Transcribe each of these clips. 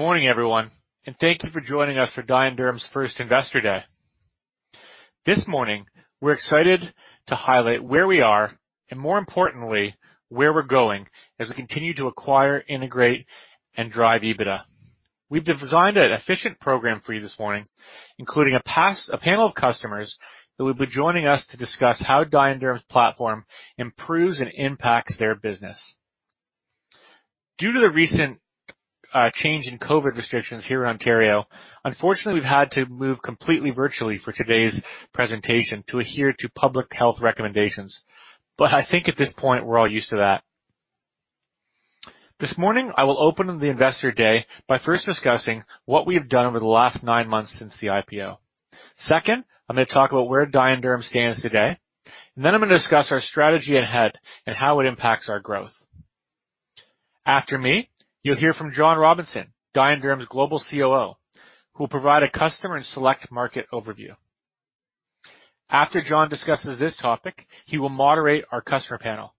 Good morning, everyone, and thank you for joining us for Dye & Durham's First Investor Day. This morning, we're excited to highlight where we are and, more importantly, where we're going as we continue to acquire, integrate, and drive EBITDA. We've designed an efficient program for you this morning, including a panel of customers who will be joining us to discuss how Dye & Durham's platform improves and impacts their business. Due to the recent change in COVID restrictions here in Ontario, unfortunately, we've had to move completely virtually for today's presentation to adhere to public health recommendations. I think at this point, we're all used to that. This morning, I will open the Investor Day by first discussing what we have done over the last nine months since the IPO. Second, I'm going to talk about where Dye & Durham stands today. I am going to discuss our strategy ahead and how it impacts our growth. After me, you'll hear from John Robinson, Dye & Durham's Global COO, who will provide a customer and select market overview. After John discusses this topic, he will moderate our customer panel.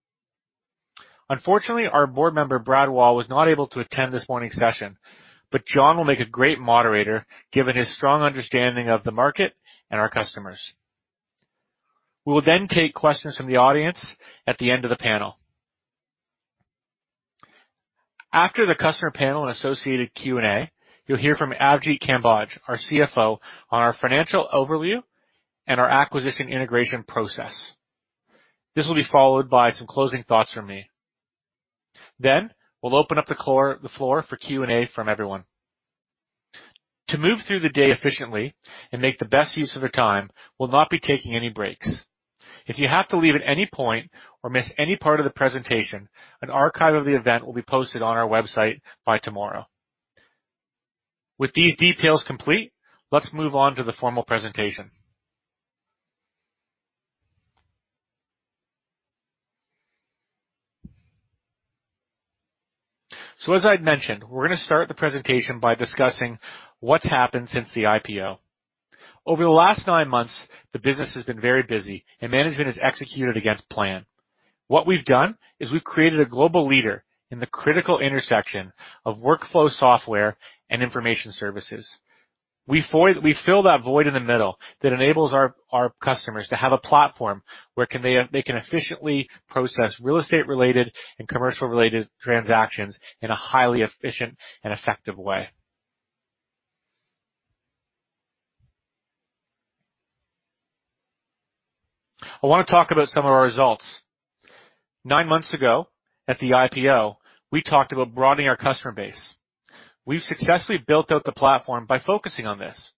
Unfortunately, our board member, Brad Wall, was not able to attend this morning's session, but John will make a great moderator given his strong understanding of the market and our customers. We will then take questions from the audience at the end of the panel. After the customer panel and associated Q&A, you'll hear from Avjit Kamboj, our CFO, on our financial overview and our acquisition integration process. This will be followed by some closing thoughts from me. We'll open up the floor for Q&A from everyone. To move through the day efficiently and make the best use of your time, we'll not be taking any breaks. If you have to leave at any point or miss any part of the presentation, an archive of the event will be posted on our website by tomorrow. With these details complete, let's move on to the formal presentation. As I had mentioned, we're going to start the presentation by discussing what's happened since the IPO. Over the last nine months, the business has been very busy, and management has executed against plan. What we've done is we've created a global leader in the critical intersection of workflow software and information services. We fill that void in the middle that enables our customers to have a platform where they can efficiently process real estate-related and commercial-related transactions in a highly efficient and effective way. I want to talk about some of our results. Nine months ago, at the IPO, we talked about broadening our customer base. We've successfully built out the platform by focusing on this,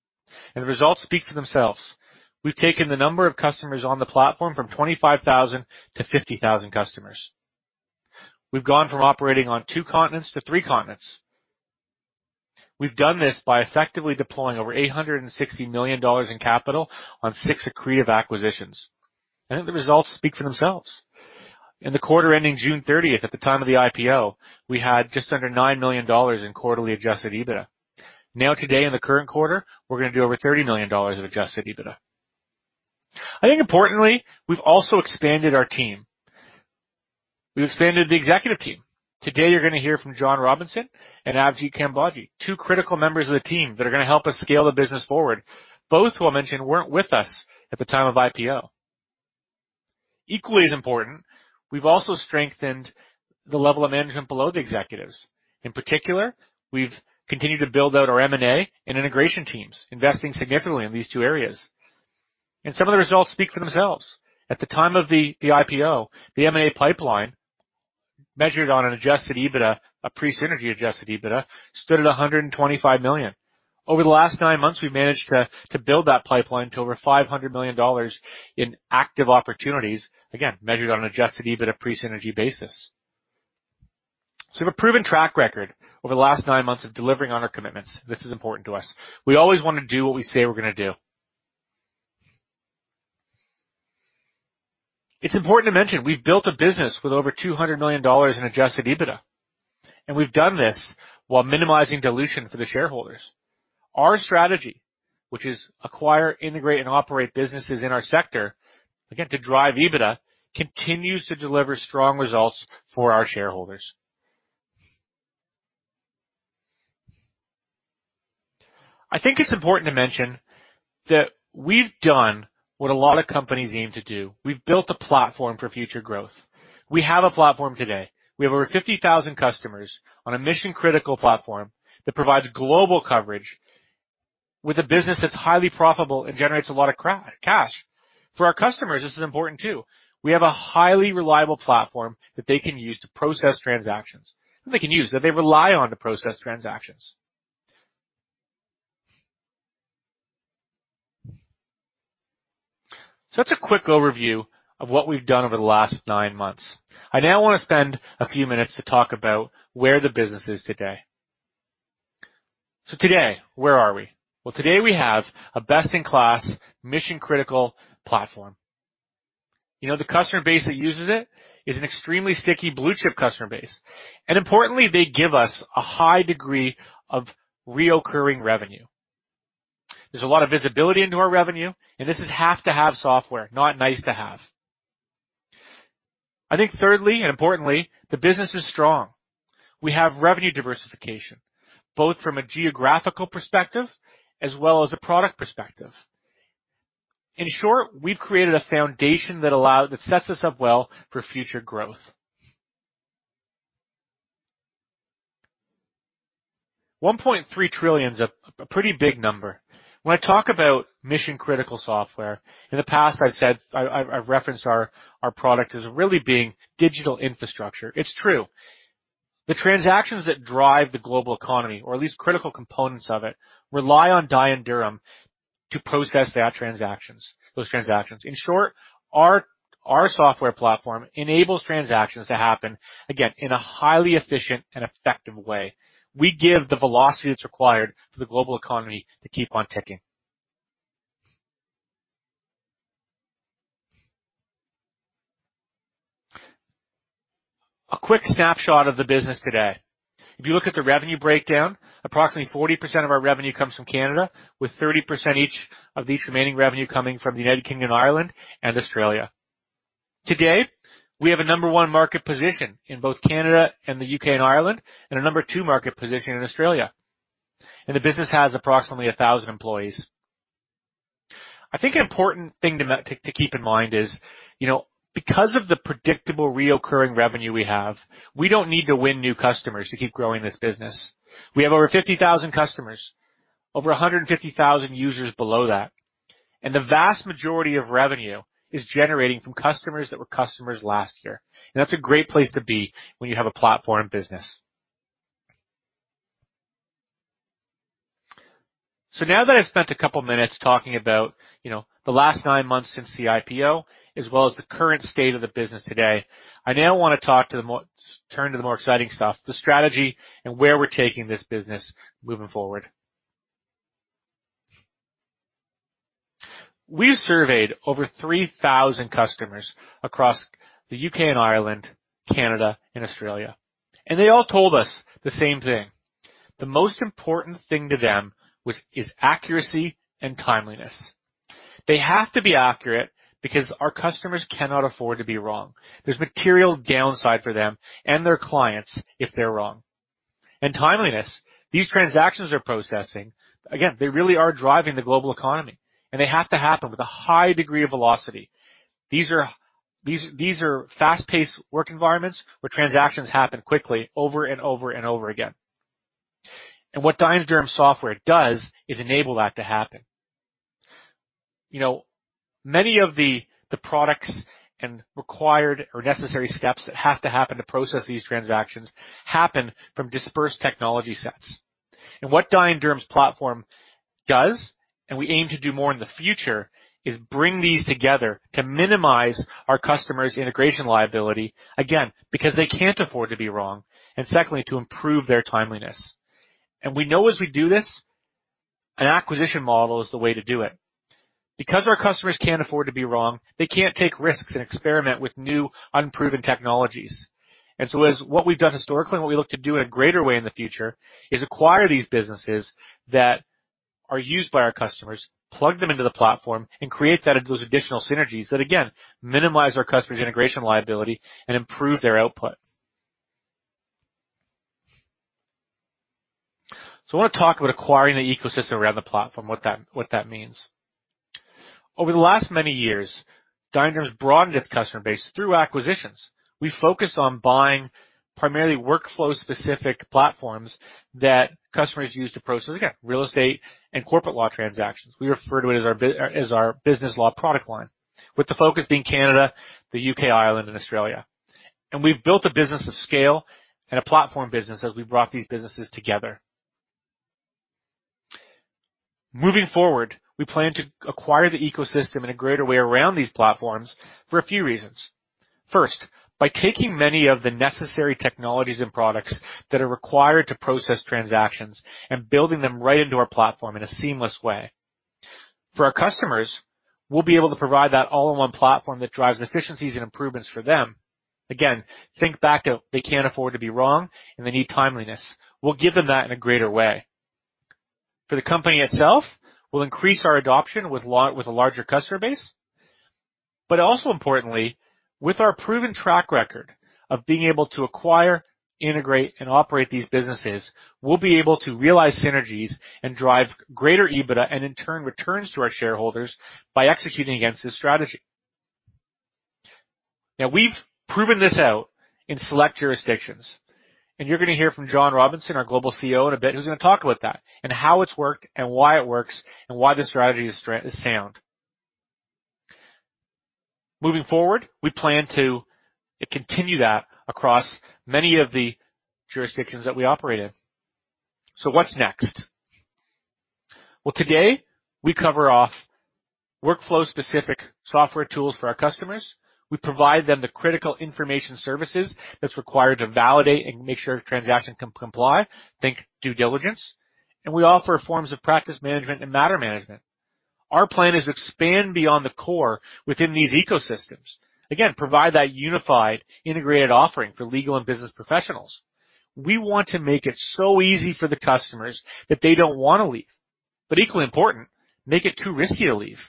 and the results speak for themselves. We've taken the number of customers on the platform from 25,000-50,000 customers. We've gone from operating on two continents to three continents. We've done this by effectively deploying over 860 million dollars in capital on six accretive acquisitions. I think the results speak for themselves. In the quarter ending June 30, at the time of the IPO, we had just under 9 million dollars in quarterly adjusted EBITDA. Now, today, in the current quarter, we're going to do over 30 million dollars of adjusted EBITDA. I think, importantly, we've also expanded our team. We've expanded the executive team. Today, you're going to hear from John Robinson and Avjit Kamboj, two critical members of the team that are going to help us scale the business forward. Both, who I mentioned, weren't with us at the time of IPO. Equally as important, we've also strengthened the level of management below the executives. In particular, we've continued to build out our M&A and integration teams, investing significantly in these two areas. Some of the results speak for themselves. At the time of the IPO, the M&A pipeline measured on an adjusted EBITDA, a pre-synergy adjusted EBITDA, stood at 125 million. Over the last nine months, we've managed to build that pipeline to over 500 million dollars in active opportunities, again, measured on an adjusted EBITDA pre-synergy basis. We have a proven track record over the last nine months of delivering on our commitments. This is important to us. We always want to do what we say we're going to do. It's important to mention we've built a business with over 200 million dollars in adjusted EBITDA, and we've done this while minimizing dilution for the shareholders. Our strategy, which is acquire, integrate, and operate businesses in our sector, again, to drive EBITDA, continues to deliver strong results for our shareholders. I think it's important to mention that we've done what a lot of companies aim to do. We've built a platform for future growth. We have a platform today. We have over 50,000 customers on a mission-critical platform that provides global coverage with a business that's highly profitable and generates a lot of cash. For our customers, this is important too. We have a highly reliable platform that they can use to process transactions, that they can use, that they rely on to process transactions. That's a quick overview of what we've done over the last nine months. I now want to spend a few minutes to talk about where the business is today. Today, where are we? Today, we have a best-in-class, mission-critical platform. The customer base that uses it is an extremely sticky blue-chip customer base. Importantly, they give us a high degree of recurring revenue. There's a lot of visibility into our revenue, and this is have-to-have software, not nice-to-have. I think, thirdly, and importantly, the business is strong. We have revenue diversification, both from a geographical perspective as well as a product perspective. In short, we've created a foundation that sets us up well for future growth. 1.3 trillion is a pretty big number. When I talk about mission-critical software, in the past, I've referenced our product as really being digital infrastructure. It's true. The transactions that drive the global economy, or at least critical components of it, rely on Dye & Durham to process those transactions. In short, our software platform enables transactions to happen, again, in a highly efficient and effective way. We give the velocity that's required for the global economy to keep on ticking. A quick snapshot of the business today. If you look at the revenue breakdown, approximately 40% of our revenue comes from Canada, with 30% of each remaining revenue coming from the United Kingdom and Ireland and Australia. Today, we have a number one market position in both Canada and the U.K. and Ireland, and a number two market position in Australia. The business has approximately 1,000 employees. I think an important thing to keep in mind is, because of the predictable recurring revenue we have, we don't need to win new customers to keep growing this business. We have over 50,000 customers, over 150,000 users below that. The vast majority of revenue is generated from customers that were customers last year. That's a great place to be when you have a platform business. Now that I've spent a couple of minutes talking about the last nine months since the IPO, as well as the current state of the business today, I want to turn to the more exciting stuff, the strategy and where we're taking this business moving forward. We've surveyed over 3,000 customers across the U.K. and Ireland, Canada, and Australia. They all told us the same thing. The most important thing to them is accuracy and timeliness. They have to be accurate because our customers cannot afford to be wrong. There is material downside for them and their clients if they are wrong. Timeliness, these transactions they are processing, again, they really are driving the global economy, and they have to happen with a high degree of velocity. These are fast-paced work environments where transactions happen quickly over and over and over again. What Dye & Durham software does is enable that to happen. Many of the products and required or necessary steps that have to happen to process these transactions happen from dispersed technology sets. What Dye & Durham's platform does, and we aim to do more in the future, is bring these together to minimize our customers' integration liability, again, because they cannot afford to be wrong, and secondly, to improve their timeliness. We know as we do this, an acquisition model is the way to do it. Because our customers can't afford to be wrong, they can't take risks and experiment with new unproven technologies. What we've done historically and what we look to do in a greater way in the future is acquire these businesses that are used by our customers, plug them into the platform, and create those additional synergies that, again, minimize our customers' integration liability and improve their output. I want to talk about acquiring the ecosystem around the platform, what that means. Over the last many years, Dye & Durham's broadened its customer base through acquisitions. We focused on buying primarily workflow-specific platforms that customers use to process, again, real estate and corporate law transactions. We refer to it as our business law product line, with the focus being Canada, the U.K., Ireland, and Australia. We have built a business of scale and a platform business as we brought these businesses together. Moving forward, we plan to acquire the ecosystem in a greater way around these platforms for a few reasons. First, by taking many of the necessary technologies and products that are required to process transactions and building them right into our platform in a seamless way. For our customers, we will be able to provide that all-in-one platform that drives efficiencies and improvements for them. Again, think back to they cannot afford to be wrong, and they need timeliness. We will give them that in a greater way. For the company itself, we will increase our adoption with a larger customer base. But also importantly, with our proven track record of being able to acquire, integrate, and operate these businesses, we’ll be able to realize synergies and drive greater EBITDA and, in turn, returns to our shareholders by executing against this strategy. Now, we’ve proven this out in select jurisdictions. You’re going to hear from John Robinson, our Global Chief Operating Officer, in a bit who’s going to talk about that and how it’s worked and why it works and why this strategy is sound. Moving forward, we plan to continue that across many of the jurisdictions that we operate in. What’s next? Today, we cover off workflow-specific software tools for our customers. We provide them the critical information services that’s required to validate and make sure a transaction can comply, think due diligence. We offer forms of practice management and matter management. Our plan is to expand beyond the core within these ecosystems, again, provide that unified, integrated offering for legal and business professionals. We want to make it so easy for the customers that they do not want to leave. Equally important, make it too risky to leave.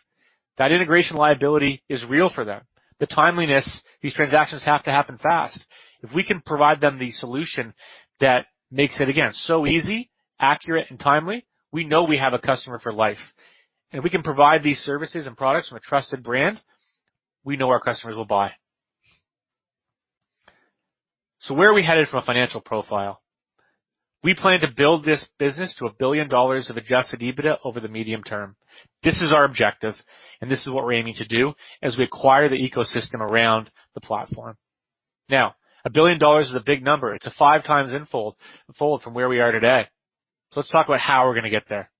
That integration liability is real for them. The timeliness, these transactions have to happen fast. If we can provide them the solution that makes it, again, so easy, accurate, and timely, we know we have a customer for life. If we can provide these services and products from a trusted brand, we know our customers will buy. Where are we headed from a financial profile? We plan to build this business to $1 billion of adjusted EBITDA over the medium term. This is our objective, and this is what we're aiming to do as we acquire the ecosystem around the platform. Now, $1 billion is a big number. It's a five-times infold from where we are today. Let's talk about how we're going to get there.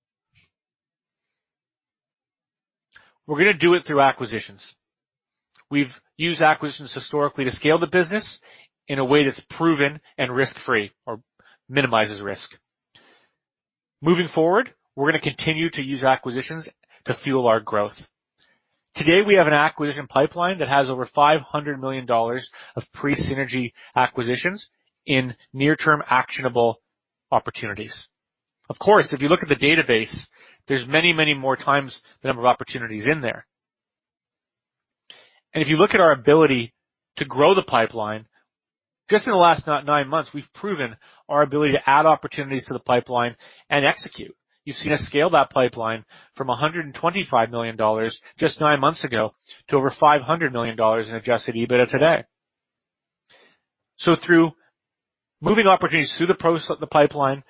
We're going to do it through acquisitions. We've used acquisitions historically to scale the business in a way that's proven and risk-free or minimizes risk. Moving forward, we're going to continue to use acquisitions to fuel our growth. Today, we have an acquisition pipeline that has over $500 million of pre-synergy acquisitions in near-term actionable opportunities. Of course, if you look at the database, there's many, many more times the number of opportunities in there. If you look at our ability to grow the pipeline, just in the last nine months, we've proven our ability to add opportunities to the pipeline and execute. You've seen us scale that pipeline from $125 million just nine months ago to over $500 million in adjusted EBITDA today. Through moving opportunities through the pipeline,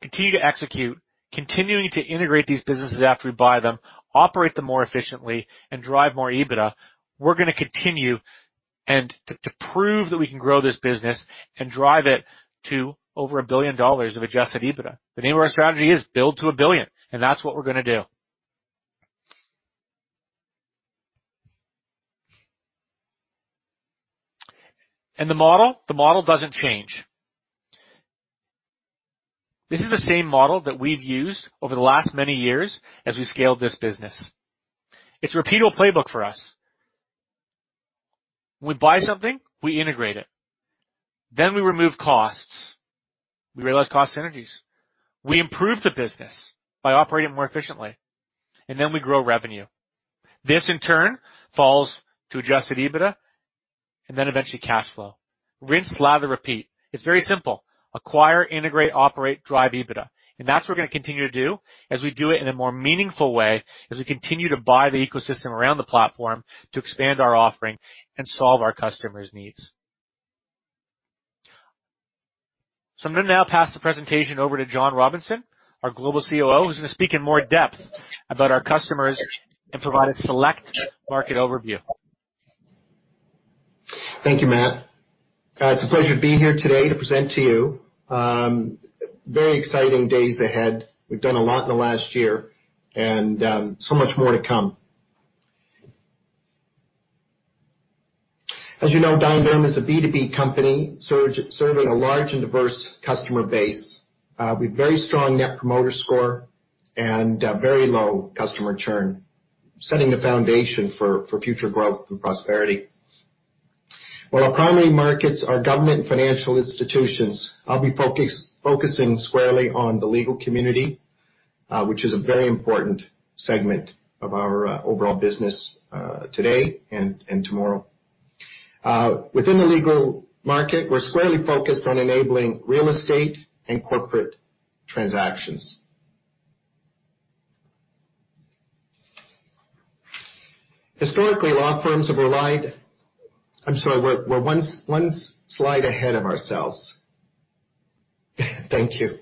continue to execute, continuing to integrate these businesses after we buy them, operate them more efficiently, and drive more EBITDA, we're going to continue to prove that we can grow this business and drive it to over a billion dollars of adjusted EBITDA. The name of our strategy is Build to a Billion, and that's what we're going to do. The model doesn't change. This is the same model that we've used over the last many years as we scaled this business. It's a repeatable playbook for us. When we buy something, we integrate it. Then we remove costs. We realize cost synergies. We improve the business by operating more efficiently. Then we grow revenue. This, in turn, falls to adjusted EBITDA and then eventually cash flow. Rinse, lather, repeat. It's very simple. Acquire, integrate, operate, drive EBITDA. That's what we're going to continue to do as we do it in a more meaningful way as we continue to buy the ecosystem around the platform to expand our offering and solve our customers' needs. I'm going to now pass the presentation over to John Robinson, our Global Chief Operating Officer, who's going to speak in more depth about our customers and provide a select market overview. Thank you, Matt. It's a pleasure to be here today to present to you. Very exciting days ahead. We've done a lot in the last year and so much more to come. As you know, Dye & Durham is a B2B company serving a large and diverse customer base. We have a very strong net promoter score and very low customer churn, setting the foundation for future growth and prosperity. Our primary markets are government and financial institutions. I'll be focusing squarely on the legal community, which is a very important segment of our overall business today and tomorrow. Within the legal market, we're squarely focused on enabling real estate and corporate transactions. Historically, law firms have relied—I'm sorry, we're one slide ahead of ourselves. Thank you.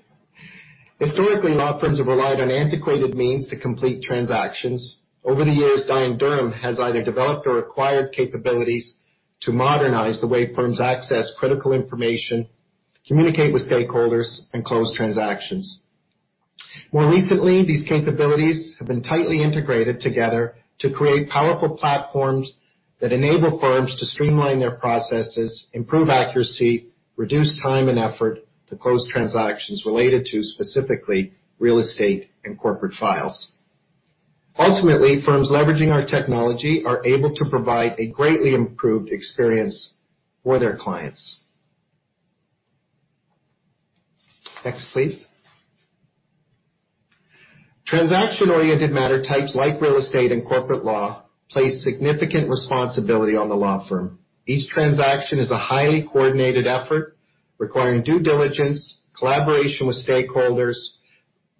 Historically, law firms have relied on antiquated means to complete transactions. Over the years, Dye & Durham has either developed or acquired capabilities to modernize the way firms access critical information, communicate with stakeholders, and close transactions. More recently, these capabilities have been tightly integrated together to create powerful platforms that enable firms to streamline their processes, improve accuracy, reduce time and effort to close transactions related to specifically real estate and corporate files. Ultimately, firms leveraging our technology are able to provide a greatly improved experience for their clients. Next, please. Transaction-oriented matter types like real estate and corporate law place significant responsibility on the law firm. Each transaction is a highly coordinated effort requiring due diligence, collaboration with stakeholders,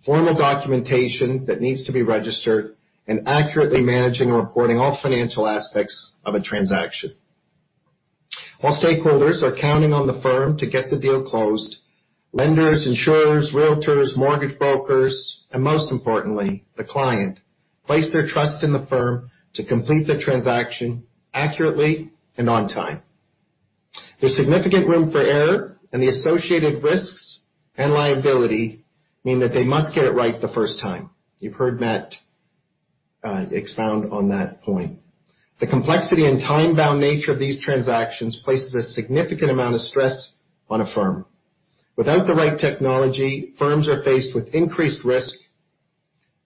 formal documentation that needs to be registered, and accurately managing and reporting all financial aspects of a transaction. While stakeholders are counting on the firm to get the deal closed, lenders, insurers, realtors, mortgage brokers, and most importantly, the client place their trust in the firm to complete the transaction accurately and on time. There's significant room for error, and the associated risks and liability mean that they must get it right the first time. You've heard Matt expound on that point. The complexity and time-bound nature of these transactions places a significant amount of stress on a firm. Without the right technology, firms are faced with increased risk,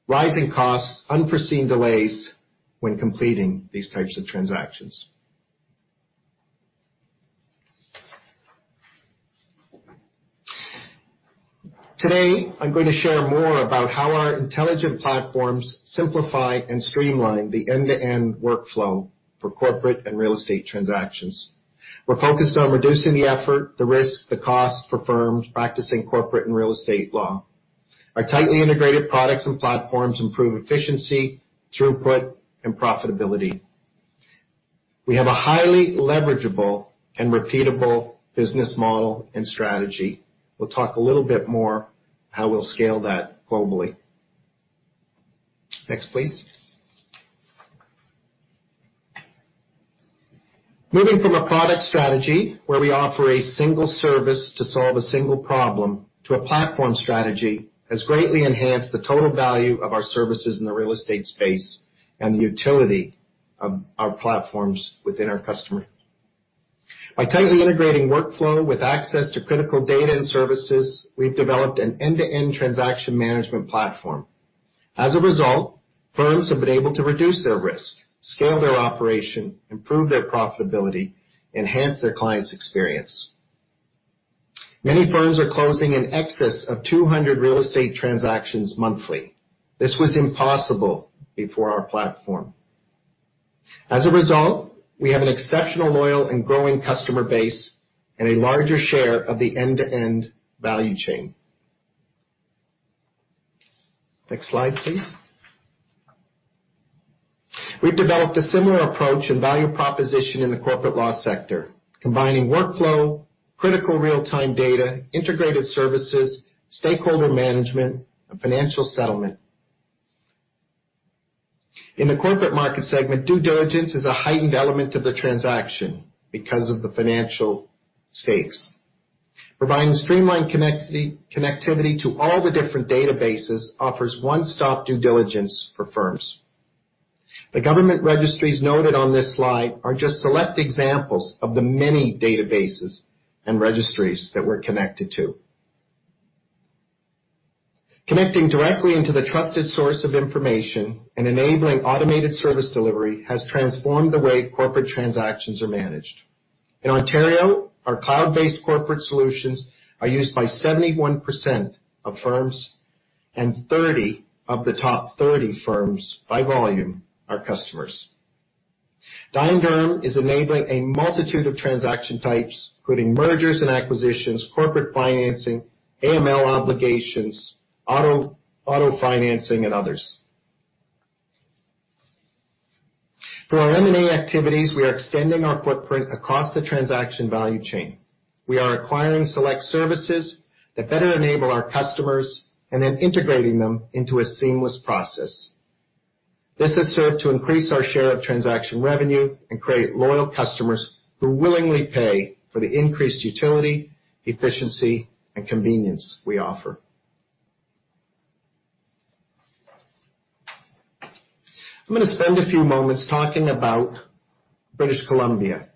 rising costs, unforeseen delays when completing these types of transactions. Today, I'm going to share more about how our intelligent platforms simplify and streamline the end-to-end workflow for corporate and real estate transactions. We're focused on reducing the effort, the risk, the cost for firms practicing corporate and real estate law. Our tightly integrated products and platforms improve efficiency, throughput, and profitability. We have a highly leverageable and repeatable business model and strategy. We'll talk a little bit more how we'll scale that globally. Next, please. Moving from a product strategy where we offer a single service to solve a single problem to a platform strategy has greatly enhanced the total value of our services in the real estate space and the utility of our platforms within our customer. By tightly integrating workflow with access to critical data and services, we've developed an end-to-end transaction management platform. As a result, firms have been able to reduce their risk, scale their operation, improve their profitability, enhance their clients' experience. Many firms are closing in excess of 200 real estate transactions monthly. This was impossible before our platform. As a result, we have an exceptional loyal and growing customer base and a larger share of the end-to-end value chain. Next slide, please. We have developed a similar approach and value proposition in the corporate law sector, combining workflow, critical real-time data, integrated services, stakeholder management, and financial settlement. In the corporate market segment, due diligence is a heightened element of the transaction because of the financial stakes. Providing streamlined connectivity to all the different databases offers one-stop due diligence for firms. The government registries noted on this slide are just select examples of the many databases and registries that we are connected to. Connecting directly into the trusted source of information and enabling automated service delivery has transformed the way corporate transactions are managed. In Ontario, our cloud-based corporate solutions are used by 71% of firms, and 30 of the top 30 firms by volume are customers. Dye & Durham is enabling a multitude of transaction types, including mergers and acquisitions, corporate financing, AML obligations, auto financing, and others. Through our M&A activities, we are extending our footprint across the transaction value chain. We are acquiring select services that better enable our customers and then integrating them into a seamless process. This has served to increase our share of transaction revenue and create loyal customers who willingly pay for the increased utility, efficiency, and convenience we offer. I'm going to spend a few moments talking about British Columbia,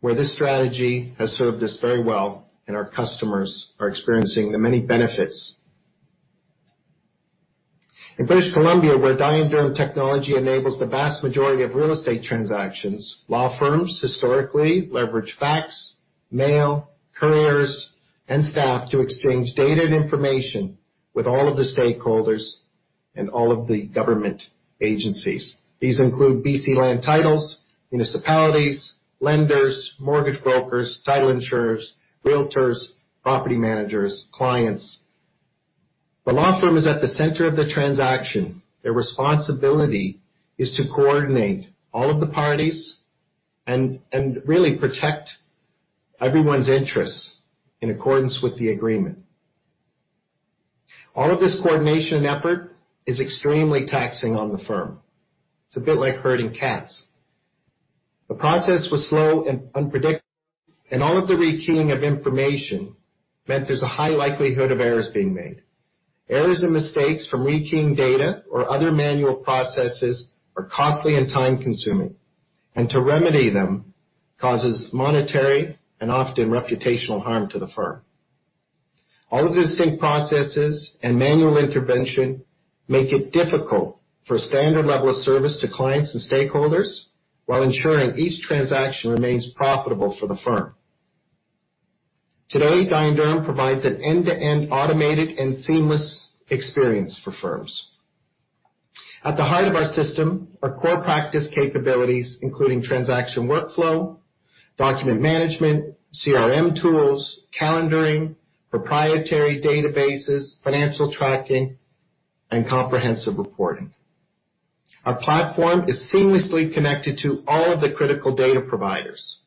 where this strategy has served us very well, and our customers are experiencing the many benefits. In British Columbia, where Dye & Durham technology enables the vast majority of real estate transactions, law firms historically leverage fax, mail, couriers, and staff to exchange data and information with all of the stakeholders and all of the government agencies. These include BC land titles, municipalities, lenders, mortgage brokers, title insurers, realtors, property managers, clients. The law firm is at the center of the transaction. Their responsibility is to coordinate all of the parties and really protect everyone's interests in accordance with the agreement. All of this coordination and effort is extremely taxing on the firm. It's a bit like herding cats. The process was slow and unpredictable, and all of the rekeying of information meant there's a high likelihood of errors being made. Errors and mistakes from rekeying data or other manual processes are costly and time-consuming, and to remedy them causes monetary and often reputational harm to the firm. All of the distinct processes and manual intervention make it difficult for a standard level of service to clients and stakeholders while ensuring each transaction remains profitable for the firm. Today, Dye & Durham provides an end-to-end automated and seamless experience for firms. At the heart of our system are core practice capabilities, including transaction workflow, document management, CRM tools, calendaring, proprietary databases, financial tracking, and comprehensive reporting. Our platform is seamlessly connected to all of the critical data providers.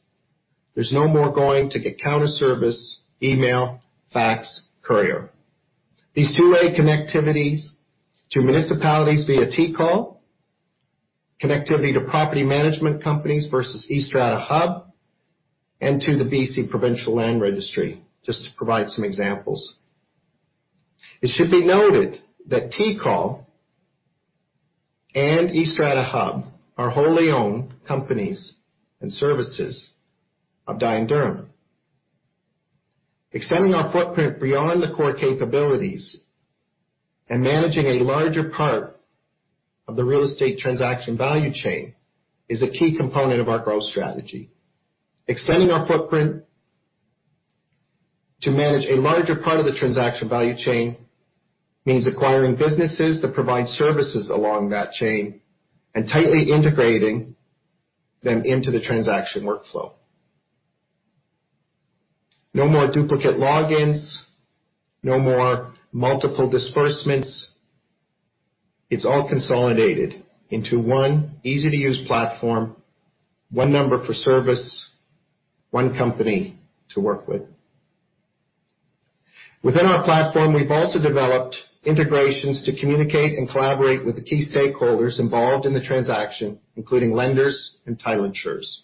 There's no more going to get counterservice, email, fax, courier. These two-way connectivities to municipalities via TCOL, connectivity to property management companies versus eStrataHub, and to the BC Provincial Land Registry, just to provide some examples. It should be noted that TCOL and eStrataHub are wholly owned companies and services of Dye & Durham. Extending our footprint beyond the core capabilities and managing a larger part of the real estate transaction value chain is a key component of our growth strategy. Extending our footprint to manage a larger part of the transaction value chain means acquiring businesses that provide services along that chain and tightly integrating them into the transaction workflow. No more duplicate logins, no more multiple disbursements. It is all consolidated into one easy-to-use platform, one number for service, one company to work with. Within our platform, we have also developed integrations to communicate and collaborate with the key stakeholders involved in the transaction, including lenders and title insurers.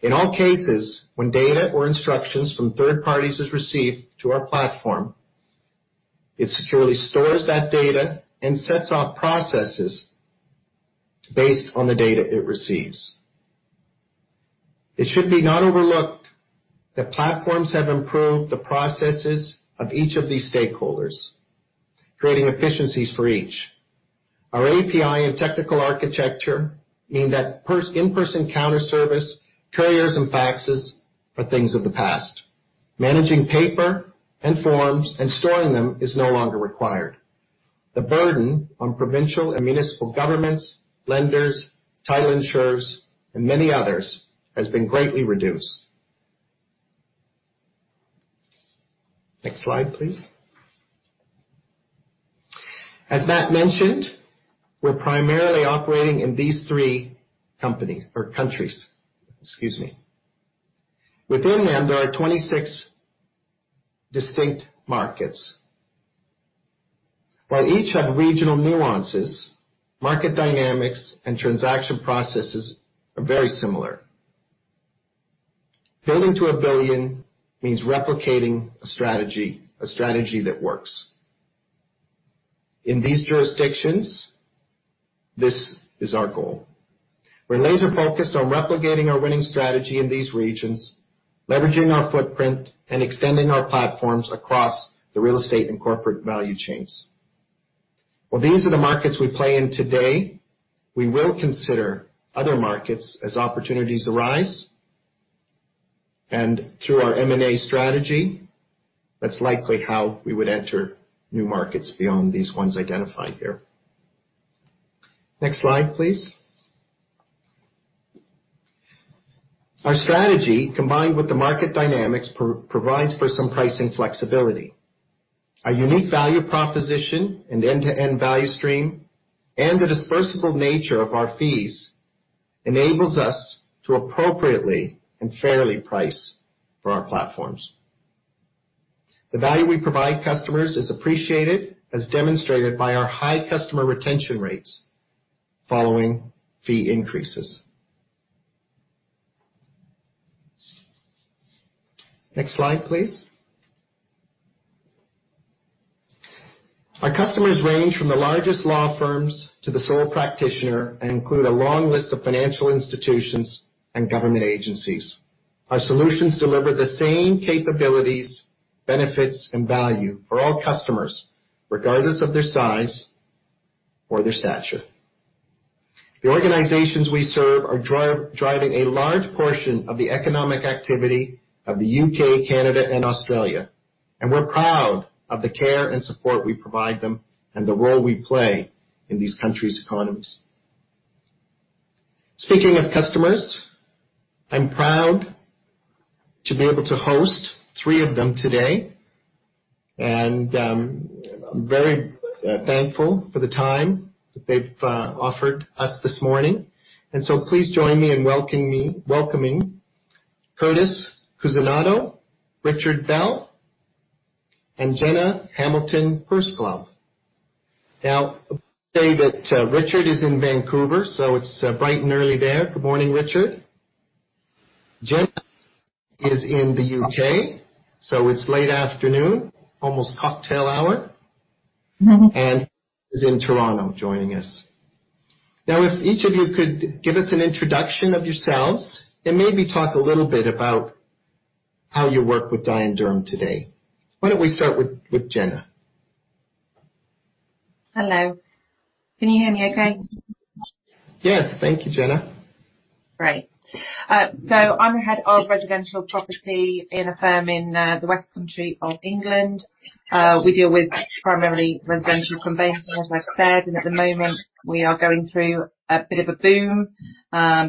In all cases, when data or instructions from third parties are received to our platform, it securely stores that data and sets off processes based on the data it receives. It should not be overlooked that platforms have improved the processes of each of these stakeholders, creating efficiencies for each. Our API and technical architecture mean that in-person counterservice, couriers, and faxes are things of the past. Managing paper and forms and storing them is no longer required. The burden on provincial and municipal governments, lenders, title insurers, and many others has been greatly reduced. Next slide, please. As Matt mentioned, we're primarily operating in these three countries. Excuse me. Within them, there are 26 distinct markets. While each has regional nuances, market dynamics and transaction processes are very similar. Building to a billion means replicating a strategy, a strategy that works. In these jurisdictions, this is our goal. We're laser-focused on replicating our winning strategy in these regions, leveraging our footprint, and extending our platforms across the real estate and corporate value chains. While these are the markets we play in today, we will consider other markets as opportunities arise, and through our M&A strategy, that's likely how we would enter new markets beyond these ones identified here. Next slide, please. Our strategy, combined with the market dynamics, provides for some pricing flexibility. Our unique value proposition and end-to-end value stream and the dispersible nature of our fees enables us to appropriately and fairly price for our platforms. The value we provide customers is appreciated, as demonstrated by our high customer retention rates following fee increases. Next slide, please. Our customers range from the largest law firms to the sole practitioner and include a long list of financial institutions and government agencies. Our solutions deliver the same capabilities, benefits, and value for all customers, regardless of their size or their stature. The organizations we serve are driving a large portion of the economic activity of the U.K., Canada, and Australia, and we're proud of the care and support we provide them and the role we play in these countries' economies. Speaking of customers, I'm proud to be able to host three of them today, and I'm very thankful for the time that they've offered us this morning. Please join me in welcoming Curtis Cusinato, Richard Bell, and Jenna Hamilton-Pursglove. Now, I'll say that Richard is in Vancouver, so it's bright and early there. Good morning, Richard. Jenna is in the U.K., so it's late afternoon, almost cocktail hour, and Curtis is in Toronto joining us. Now, if each of you could give us an introduction of yourselves and maybe talk a little bit about how you work with Dye & Durham today. Why don't we start with Jenna? Hello. Can you hear me okay? Yes. Thank you, Jenna. Great. I'm the head of residential property in a firm in the West Country of England. We deal with primarily residential conveyances, as I've said, and at the moment, we are going through a bit of a boom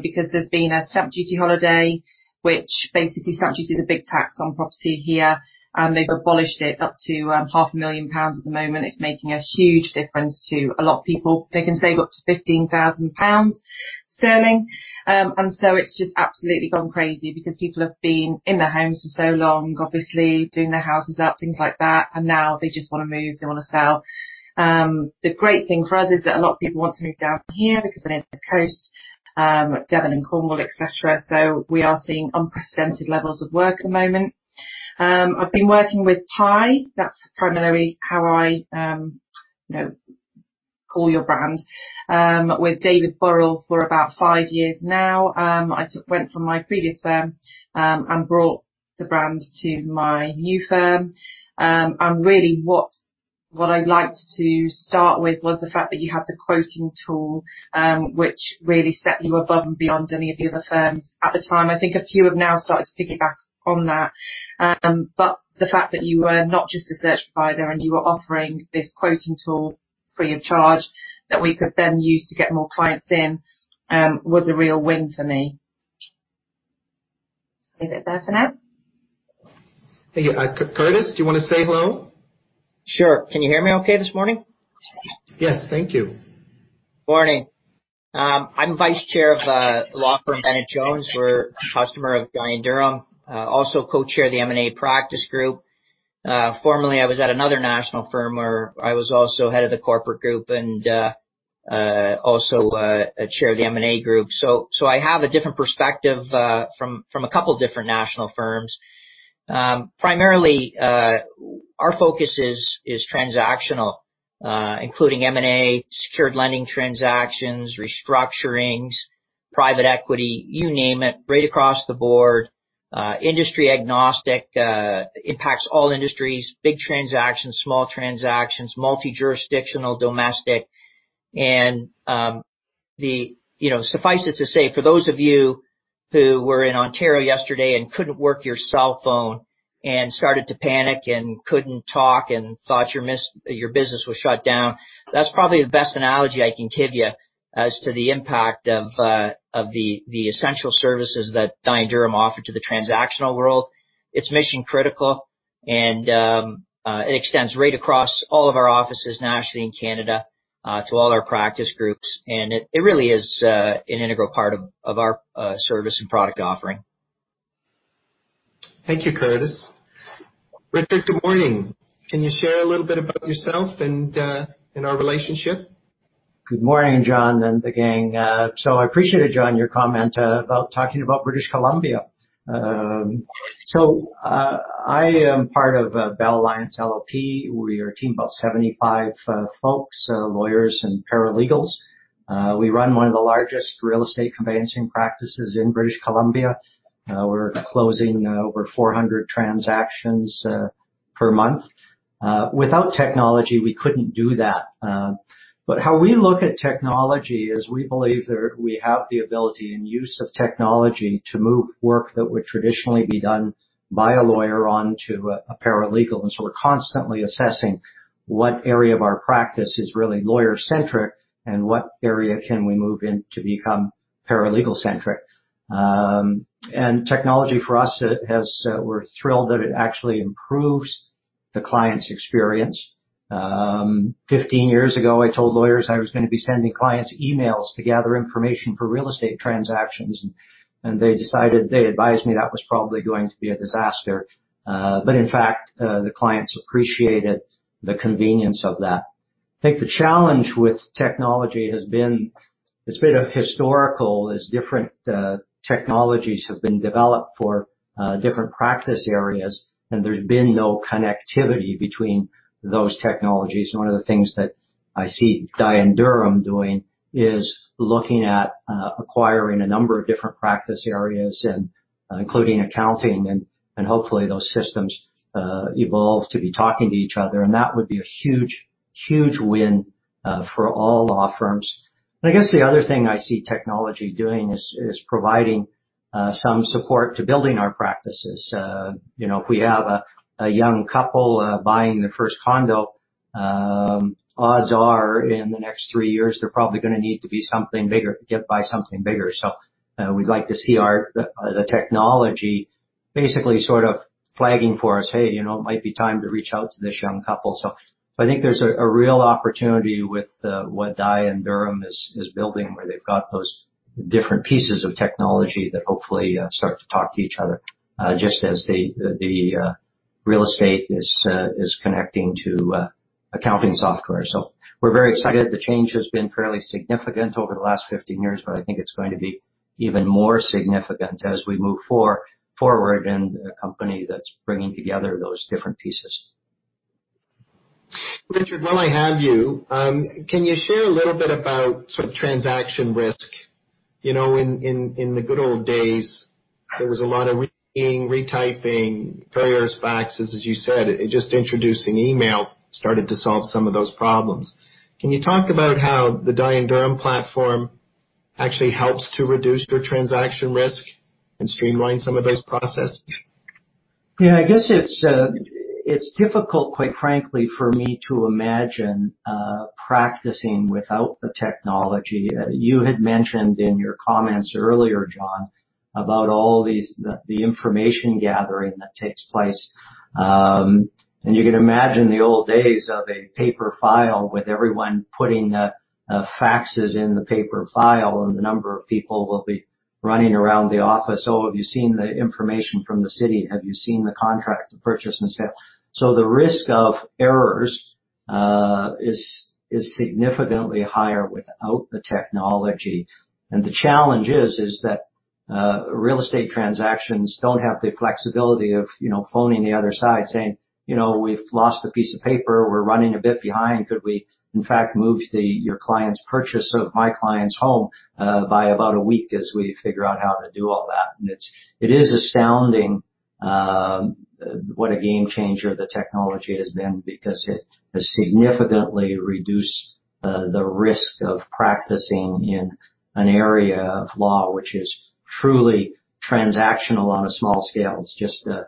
because there's been a stamp duty holiday, which basically stamp duty is a big tax on property here, and they've abolished it up to 500,000 pounds at the moment. It's making a huge difference to a lot of people. They can save up to 15,000 pounds, and so it's just absolutely gone crazy because people have been in their homes for so long, obviously, doing their houses up, things like that, and now they just want to move. They want to sell. The great thing for us is that a lot of people want to move down here because they're near the coast, Devon and Cornwall, etc., so we are seeing unprecedented levels of work at the moment. I've been working with Dye & Durham; that's primarily how I call your brand, with David Burrell for about five years now. I went from my previous firm and brought the brand to my new firm. And really, what I liked to start with was the fact that you had the quoting tool, which really set you above and beyond any of the other firms at the time. I think a few have now started to piggyback on that, but the fact that you were not just a search provider and you were offering this quoting tool free of charge that we could then use to get more clients in was a real win for me. Leave it there for now. Curtis, do you want to say hello? Sure. Can you hear me okay this morning? Yes. Thank you. Morning. I'm Vice Chair of the law firm Bennett Jones. We're a customer of Dye & Durham, also co-chair of the M&A practice group. Formerly, I was at another national firm where I was also head of the corporate group and also a chair of the M&A group. I have a different perspective from a couple of different national firms. Primarily, our focus is transactional, including M&A, secured lending transactions, restructurings, private equity, you name it, right across the board, industry-agnostic, impacts all industries, big transactions, small transactions, multi-jurisdictional, domestic. Suffice it to say, for those of you who were in Ontario yesterday and couldn't work your cell phone and started to panic and couldn't talk and thought your business was shut down, that's probably the best analogy I can give you as to the impact of the essential services that Dye & Durham offered to the transactional world. It's mission-critical, and it extends right across all of our offices nationally in Canada to all our practice groups, and it really is an integral part of our service and product offering. Thank you, Curtis. Richard, good morning. Can you share a little bit about yourself and our relationship? Good morning, John, and the gang. I appreciate it, John, your comment about talking about British Columbia. I am part of Bell Alliance LLP. We are a team of about 75 folks, lawyers, and paralegals. We run one of the largest real estate conveyancing practices in British Columbia. We're closing over 400 transactions per month. Without technology, we couldn't do that. How we look at technology is we believe that we have the ability and use of technology to move work that would traditionally be done by a lawyer onto a paralegal. We are constantly assessing what area of our practice is really lawyer-centric and what area can we move into to become paralegal-centric. Technology, for us, we are thrilled that it actually improves the client's experience. Fifteen years ago, I told lawyers I was going to be sending clients emails to gather information for real estate transactions, and they advised me that was probably going to be a disaster. In fact, the clients appreciated the convenience of that. I think the challenge with technology has been it's been historical as different technologies have been developed for different practice areas, and there has been no connectivity between those technologies. One of the things that I see Dye & Durham doing is looking at acquiring a number of different practice areas, including accounting, and hopefully, those systems evolve to be talking to each other. That would be a huge, huge win for all law firms. I guess the other thing I see technology doing is providing some support to building our practices. If we have a young couple buying their first condo, odds are in the next three years, they're probably going to need to get something bigger. We'd like to see the technology basically sort of flagging for us, "Hey, it might be time to reach out to this young couple." I think there's a real opportunity with what Dye & Durham is building, where they've got those different pieces of technology that hopefully start to talk to each other, just as the real estate is connecting to accounting software. We're very excited. The change has been fairly significant over the last 15 years, but I think it's going to be even more significant as we move forward in a company that's bringing together those different pieces. Richard, while I have you, can you share a little bit about sort of transaction risk? In the good old days, there was a lot of reading, retyping, couriers, faxes, as you said, just introducing email started to solve some of those problems. Can you talk about how the Dye & Durham platform actually helps to reduce your transaction risk and streamline some of those processes? Yeah. I guess it's difficult, quite frankly, for me to imagine practicing without the technology. You had mentioned in your comments earlier, John, about all the information gathering that takes place. You can imagine the old days of a paper file with everyone putting the faxes in the paper file and the number of people running around the office. "Oh, have you seen the information from the city? Have you seen the contract, the purchase and sale?" The risk of errors is significantly higher without the technology. The challenge is that real estate transactions do not have the flexibility of phoning the other side saying, "We've lost a piece of paper. We're running a bit behind. Could we, in fact, move your client's purchase of my client's home by about a week as we figure out how to do all that?" It is astounding what a game changer the technology has been because it has significantly reduced the risk of practicing in an area of law which is truly transactional on a small scale. It's just a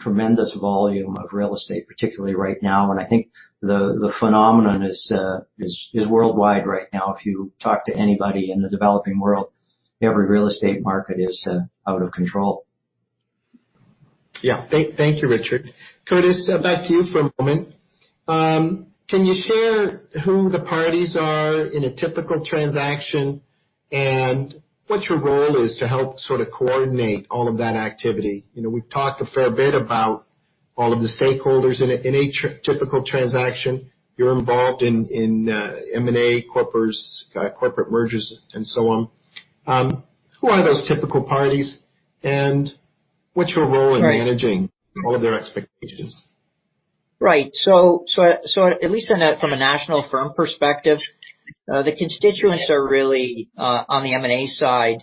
tremendous volume of real estate, particularly right now. I think the phenomenon is worldwide right now. If you talk to anybody in the developing world, every real estate market is out of control. Yeah. Thank you, Richard. Curtis, back to you for a moment. Can you share who the parties are in a typical transaction and what your role is to help sort of coordinate all of that activity? We've talked a fair bit about all of the stakeholders in a typical transaction. You're involved in M&A, corporate mergers, and so on. Who are those typical parties, and what's your role in managing all of their expectations? Right. At least from a national firm perspective, the constituents are really on the M&A side.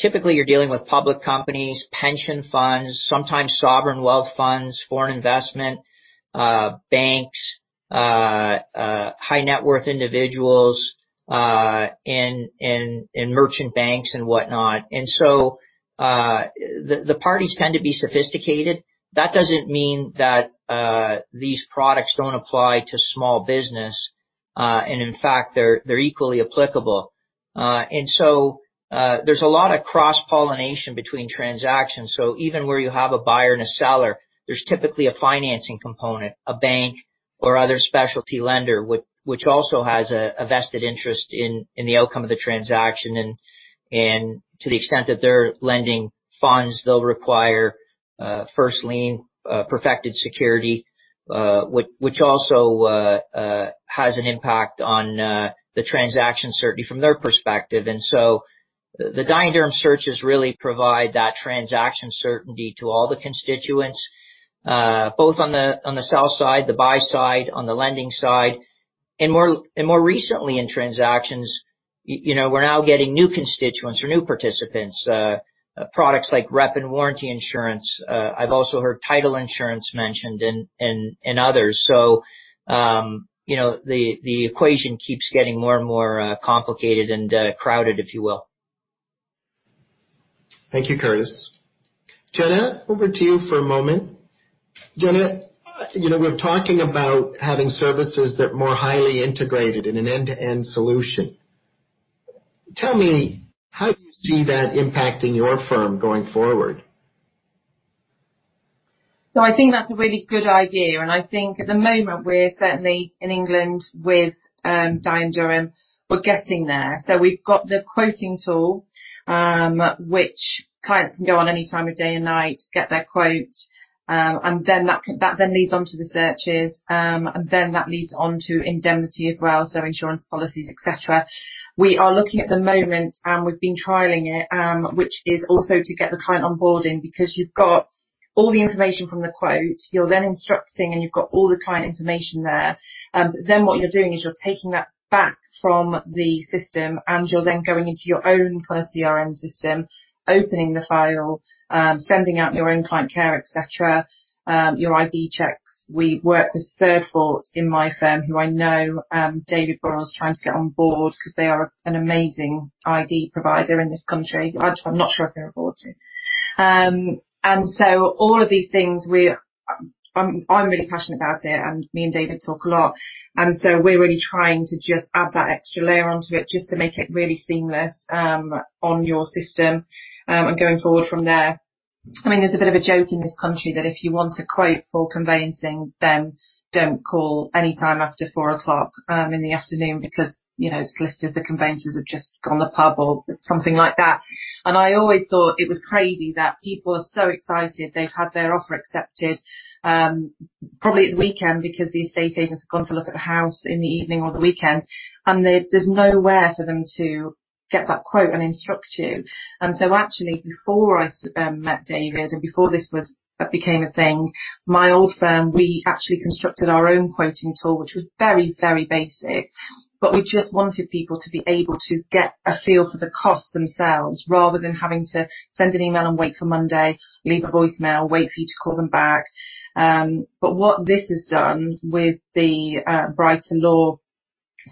Typically, you're dealing with public companies, pension funds, sometimes sovereign wealth funds, foreign investment, banks, high-net-worth individuals, and merchant banks and whatnot. The parties tend to be sophisticated. That does not mean that these products do not apply to small business, and in fact, they are equally applicable. There is a lot of cross-pollination between transactions. Even where you have a buyer and a seller, there is typically a financing component, a bank or other specialty lender, which also has a vested interest in the outcome of the transaction. To the extent that they are lending funds, they will require first lien, perfected security, which also has an impact on the transaction certainty from their perspective. The Dye & Durham searches really provide that transaction certainty to all the constituents, both on the sell side, the buy side, and on the lending side. More recently, in transactions, we are now getting new constituents or new participants, products like rep and warranty insurance. I have also heard title insurance mentioned and others. The equation keeps getting more and more complicated and crowded, if you will. Thank you, Curtis. Jenna, over to you for a moment. Jenna, we're talking about having services that are more highly integrated in an end-to-end solution. Tell me, how do you see that impacting your firm going forward? I think that's a really good idea. I think at the moment, we're certainly in England with Dye & Durham. We're getting there. We've got the quoting tool, which clients can go on any time of day and night, get their quote, and then that then leads on to the searches, and then that leads on to indemnity as well, so insurance policies, etc. We are looking at the moment, and we've been trialing it, which is also to get the client onboarding because you've got all the information from the quote. You're then instructing, and you've got all the client information there. Then what you're doing is you're taking that back from the system, and you're then going into your own kind of CRM system, opening the file, sending out your own client care, etc., your ID checks. We work with ThirdFort in my firm, who I know David Burrell is trying to get on board because they are an amazing ID provider in this country. I'm not sure if they're on board too. All of these things, I'm really passionate about it, and me and David talk a lot. We're really trying to just add that extra layer onto it just to make it really seamless on your system and going forward from there. I mean, there's a bit of a joke in this country that if you want a quote for conveyancing, then don't call anytime after 4:00 in the afternoon because it's listed as the conveyancers have just gone to pub or something like that. I always thought it was crazy that people are so excited. They've had their offer accepted, probably at the weekend because the estate agents have gone to look at the house in the evening or the weekend, and there's nowhere for them to get that quote and instruct you. Actually, before I met David and before this became a thing, my old firm, we actually constructed our own quoting tool, which was very, very basic. We just wanted people to be able to get a feel for the cost themselves rather than having to send an email and wait for Monday, leave a voicemail, wait for you to call them back. What this has done with the Brighton Law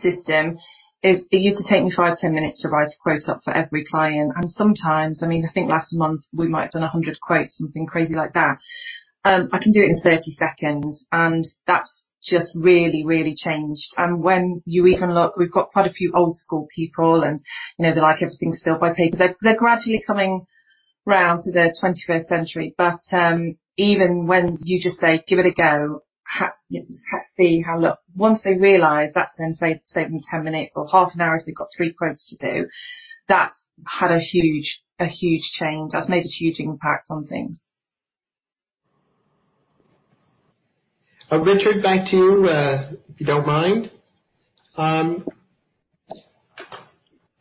System is it used to take me five, ten minutes to write a quote up for every client. Sometimes, I mean, I think last month, we might have done 100 quotes or something crazy like that. I can do it in 30 seconds, and that has just really, really changed. When you even look, we have quite a few old-school people, and they like everything still by paper. They are gradually coming round to the 21st century. Even when you just say, "Give it a go, let's see how it looks," once they realize that's going to save them 10 minutes or half an hour if they've got three quotes to do, that's had a huge change. That's made a huge impact on things. Richard, back to you, if you don't mind.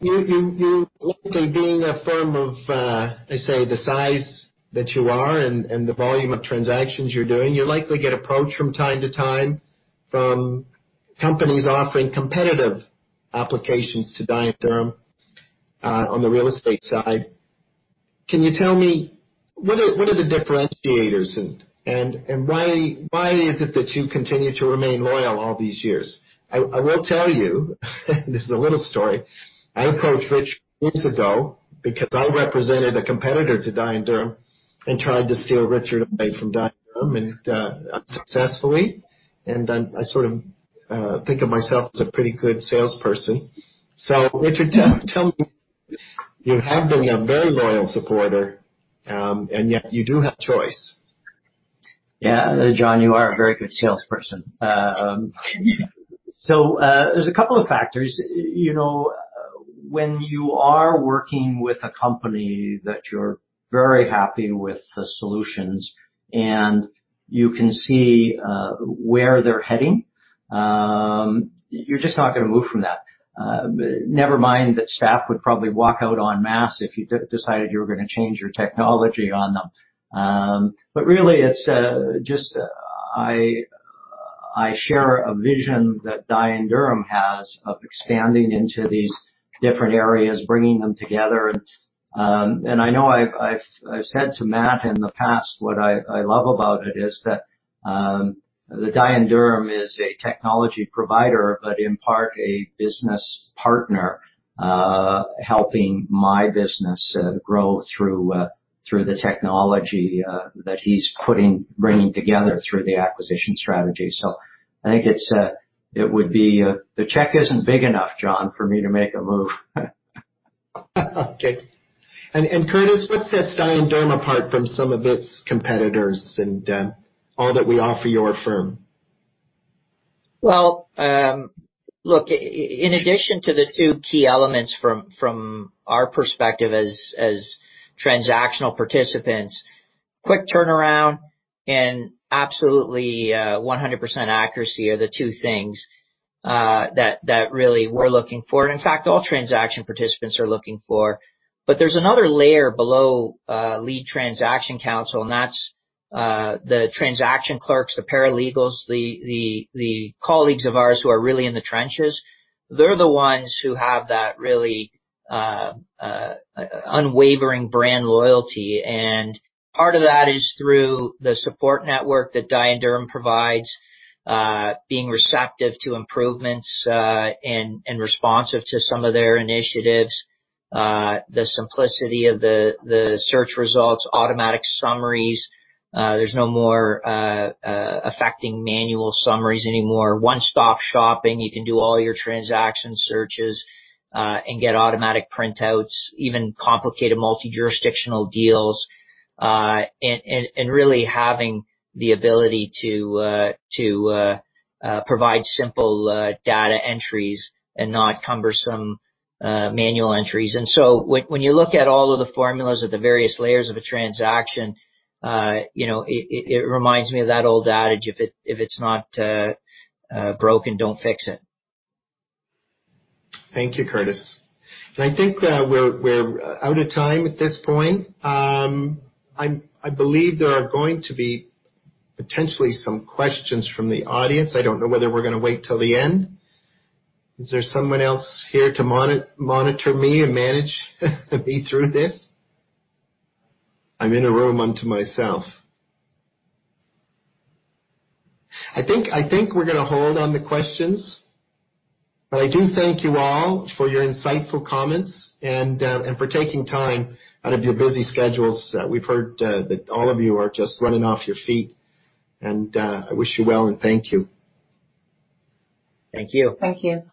You're likely being a firm of, I say, the size that you are and the volume of transactions you're doing. You likely get approached from time to time from companies offering competitive applications to Dye & Durham on the real estate side. Can you tell me, what are the differentiators, and why is it that you continue to remain loyal all these years? I will tell you, this is a little story. I approached Richard years ago because I represented a competitor to Dye & Durham and tried to steal Richard away from Dye & Durham unsuccessfully. I sort of think of myself as a pretty good salesperson. Richard, tell me, you have been a very loyal supporter, and yet you do have choice. Yeah. John, you are a very good salesperson. There are a couple of factors. When you are working with a company that you're very happy with the solutions and you can see where they're heading, you're just not going to move from that. Never mind that staff would probably walk out en masse if you decided you were going to change your technology on them. Really, it's just I share a vision that Dye & Durham has of expanding into these different areas, bringing them together. I know I've said to Matt in the past what I love about it is that Dye & Durham is a technology provider, but in part, a business partner helping my business grow through the technology that he's bringing together through the acquisition strategy. I think it would be the check isn't big enough, John, for me to make a move. Okay. Curtis, what sets Dye & Durham apart from some of its competitors and all that we offer your firm? Look, in addition to the two key elements from our perspective as transactional participants, quick turnaround and absolutely 100% accuracy are the two things that really we're looking for. In fact, all transaction participants are looking for that. There's another layer below lead transaction counsel, and that's the transaction clerks, the paralegals, the colleagues of ours who are really in the trenches. They're the ones who have that really unwavering brand loyalty. Part of that is through the support network that Dye & Durham provides, being receptive to improvements and responsive to some of their initiatives, the simplicity of the search results, automatic summaries. There's no more affecting manual summaries anymore. One-stop shopping. You can do all your transaction searches and get automatic printouts, even complicated multi-jurisdictional deals, and really having the ability to provide simple data entries and not cumbersome manual entries. When you look at all of the formulas of the various layers of a transaction, it reminds me of that old adage, "If it's not broken, don't fix it." Thank you, Curtis. I think we're out of time at this point. I believe there are going to be potentially some questions from the audience. I don't know whether we're going to wait till the end. Is there someone else here to monitor me and manage me through this? I'm in a room unto myself. I think we're going to hold on the questions. I do thank you all for your insightful comments and for taking time out of your busy schedules. We've heard that all of you are just running off your feet. I wish you well, and thank you. Thank you. Thank you.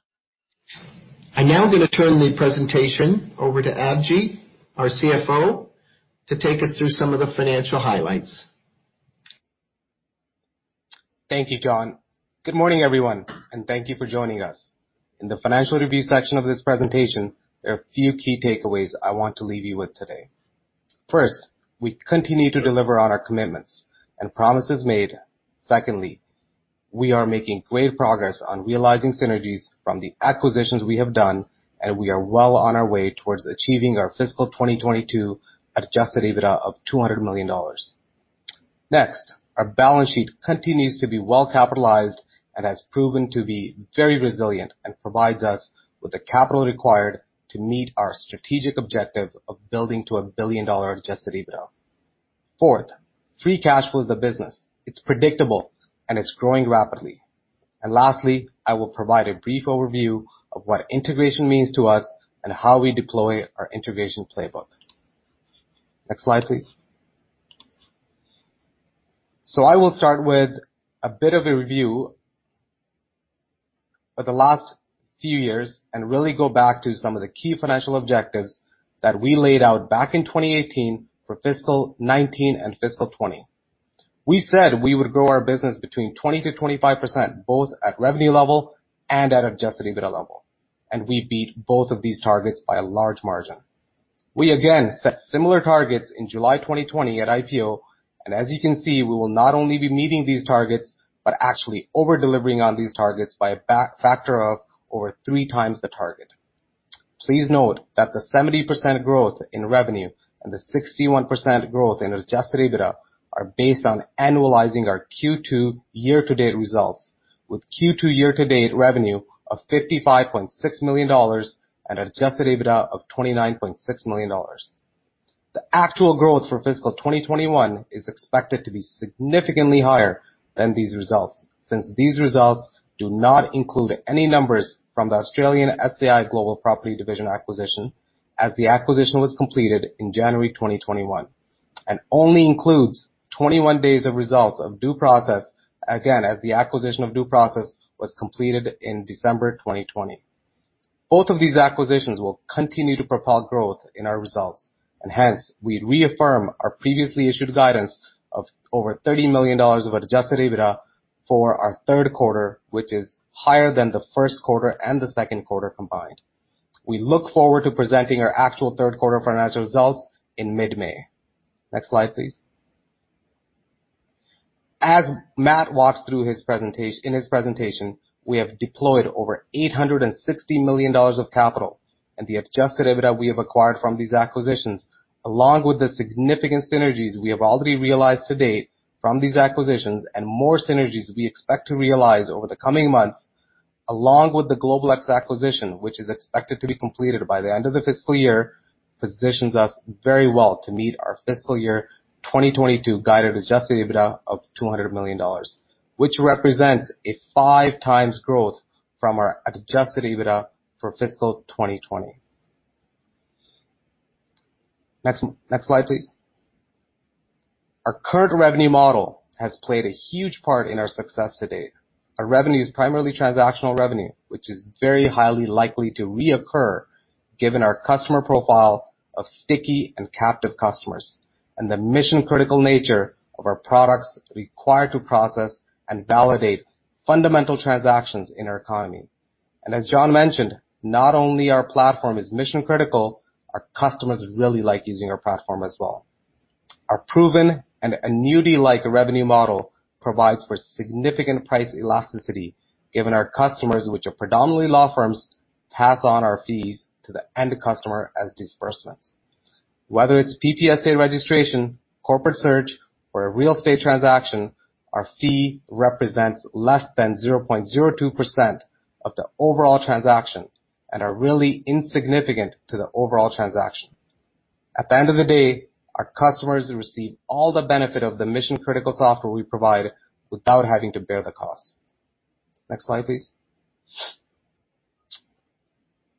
I'm now going to turn the presentation over to Avjit, our CFO, to take us through some of the financial highlights. Thank you, John. Good morning, everyone, and thank you for joining us. In the financial review section of this presentation, there are a few key takeaways I want to leave you with today. First, we continue to deliver on our commitments and promises made. Secondly, we are making great progress on realizing synergies from the acquisitions we have done, and we are well on our way towards achieving our fiscal 2022 adjusted EBITDA of $200 million. Next, our balance sheet continues to be well capitalized and has proven to be very resilient and provides us with the capital required to meet our strategic objective of building to a billion-dollar adjusted EBITDA. Fourth, free cash flows the business. It is predictable, and it is growing rapidly. Lastly, I will provide a brief overview of what integration means to us and how we deploy our integration playbook. Next slide, please. I will start with a bit of a review for the last few years and really go back to some of the key financial objectives that we laid out back in 2018 for fiscal 2019 and fiscal 2020. We said we would grow our business between 20%-25% both at revenue level and at adjusted EBITDA level. We beat both of these targets by a large margin. We again set similar targets in July 2020 at IPO. As you can see, we will not only be meeting these targets but actually over-delivering on these targets by a factor of over three times the target. Please note that the 70% growth in revenue and the 61% growth in adjusted EBITDA are based on annualizing our Q2 year-to-date results, with Q2 year-to-date revenue of 55.6 million dollars and adjusted EBITDA of 29.6 million dollars. The actual growth for fiscal 2021 is expected to be significantly higher than these results since these results do not include any numbers from the Australian SCI Global Property Division acquisition as the acquisition was completed in January 2021 and only includes 21 days of results of Due Process, again, as the acquisition of Due Process was completed in December 2020. Both of these acquisitions will continue to propel growth in our results. We reaffirm our previously issued guidance of over 30 million dollars of adjusted EBITDA for our Third Quarter, which is higher than the First Quarter and the Second Quarter combined. We look forward to presenting our actual Third Quarter financial results in mid-May. Next slide, please. As Matt walked through in his presentation, we have deployed over 860 million dollars of capital, and the adjusted EBITDA we have acquired from these acquisitions, along with the significant synergies we have already realized to date from these acquisitions and more synergies we expect to realize over the coming months, along with the Global X acquisition, which is expected to be completed by the end of the fiscal year, positions us very well to meet our fiscal year 2022 guided adjusted EBITDA of 200 million dollars, which represents a five-times growth from our adjusted EBITDA for fiscal 2020. Next slide, please. Our current revenue model has played a huge part in our success to date. Our revenue is primarily transactional revenue, which is very highly likely to reoccur given our customer profile of sticky and captive customers and the mission-critical nature of our products required to process and validate fundamental transactions in our economy. As John mentioned, not only is our platform mission-critical, our customers really like using our platform as well. Our proven and annuity-like revenue model provides for significant price elasticity given our customers, which are predominantly law firms, pass on our fees to the end customer as disbursements. Whether it's PPSA registration, corporate search, or a real estate transaction, our fee represents less than 0.02% of the overall transaction and are really insignificant to the overall transaction. At the end of the day, our customers receive all the benefit of the mission-critical software we provide without having to bear the cost. Next slide, please.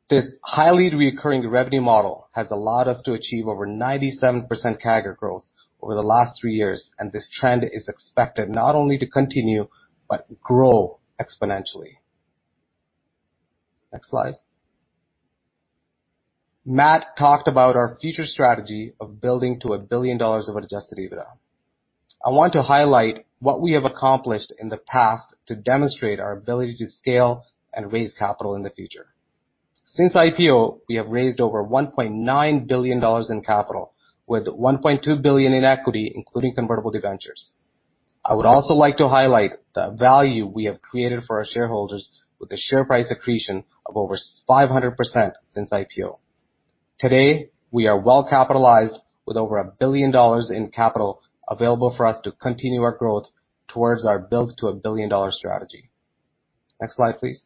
This highly reoccurring revenue model has allowed us to achieve over 97% CAGR growth over the last three years, and this trend is expected not only to continue but grow exponentially. Next slide. Matt talked about our future strategy of building to a billion dollars of adjusted EBITDA. I want to highlight what we have accomplished in the past to demonstrate our ability to scale and raise capital in the future. Since IPO, we have raised over 1.9 billion dollars in capital with 1.2 billion in equity, including convertible debentures. I would also like to highlight the value we have created for our shareholders with the share price accretion of over 500% since IPO. Today, we are well capitalized with over 1 billion dollars in capital available for us to continue our growth towards our build to a billion dollar strategy. Next slide, please.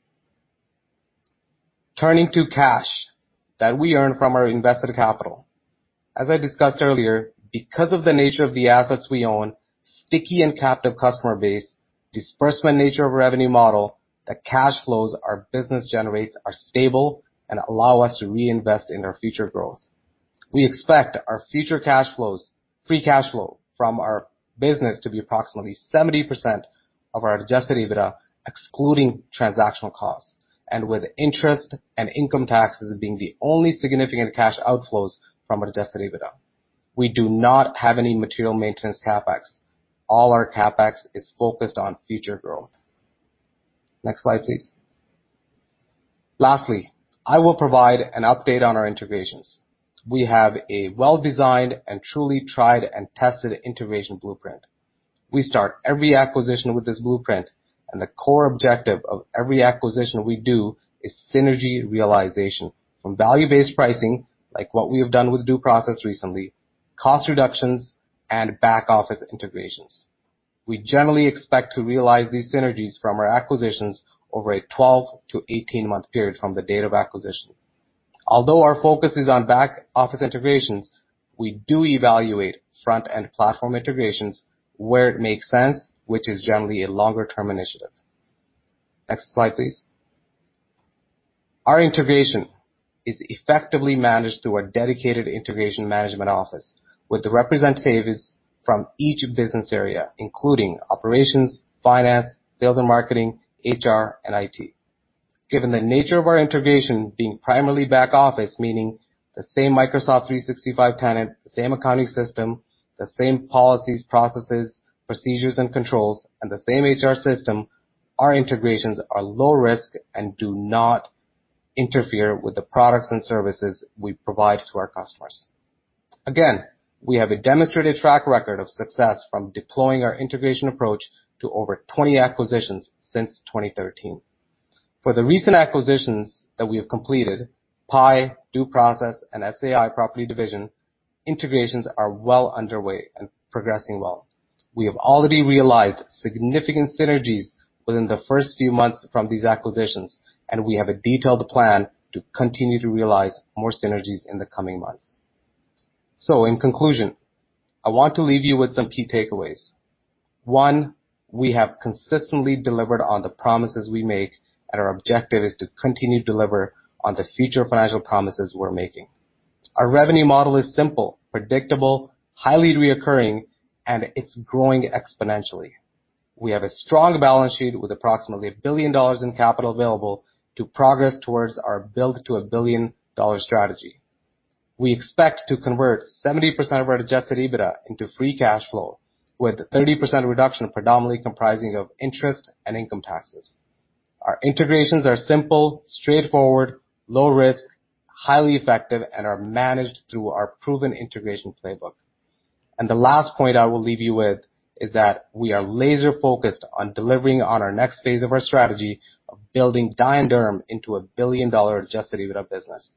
Turning to cash that we earn from our invested capital. As I discussed earlier, because of the nature of the assets we own, sticky and captive customer base, disbursement nature of revenue model, the cash flows our business generates are stable and allow us to reinvest in our future growth. We expect our future cash flows, free cash flow from our business, to be approximately 70% of our adjusted EBITDA, excluding transactional costs, and with interest and income taxes being the only significant cash outflows from adjusted EBITDA. We do not have any material maintenance CapEx. All our CapEx is focused on future growth. Next slide, please. Lastly, I will provide an update on our integrations. We have a well-designed and truly tried and tested integration blueprint. We start every acquisition with this blueprint, and the core objective of every acquisition we do is synergy realization from value-based pricing, like what we have done with Due Process recently, cost reductions, and back office integrations. We generally expect to realize these synergies from our acquisitions over a 12- to 18-month period from the date of acquisition. Although our focus is on back office integrations, we do evaluate front-end platform integrations where it makes sense, which is generally a longer-term initiative. Next slide, please. Our integration is effectively managed through our dedicated integration management office with the representatives from each business area, including operations, finance, sales and marketing, HR, and IT. Given the nature of our integration being primarily back office, meaning the same Microsoft 365 tenant, the same accounting system, the same policies, processes, procedures, and controls, and the same HR system, our integrations are low risk and do not interfere with the products and services we provide to our customers. Again, we have a demonstrated track record of success from deploying our integration approach to over 20 acquisitions since 2013. For the recent acquisitions that we have completed, Pi, Due Process, and SCI Global Property Division integrations are well underway and progressing well. We have already realized significant synergies within the first few months from these acquisitions, and we have a detailed plan to continue to realize more synergies in the coming months. In conclusion, I want to leave you with some key takeaways. One, we have consistently delivered on the promises we make, and our objective is to continue to deliver on the future financial promises we're making. Our revenue model is simple, predictable, highly recurring, and it's growing exponentially. We have a strong balance sheet with approximately 1 billion dollars in capital available to progress towards our build to a billion dollar strategy. We expect to convert 70% of our adjusted EBITDA into free cash flow with a 30% reduction predominantly comprising of interest and income taxes. Our integrations are simple, straightforward, low risk, highly effective, and are managed through our proven integration playbook. The last point I will leave you with is that we are laser-focused on delivering on our next phase of our strategy of building Dye & Durham into a billion-dollar adjusted EBITDA business.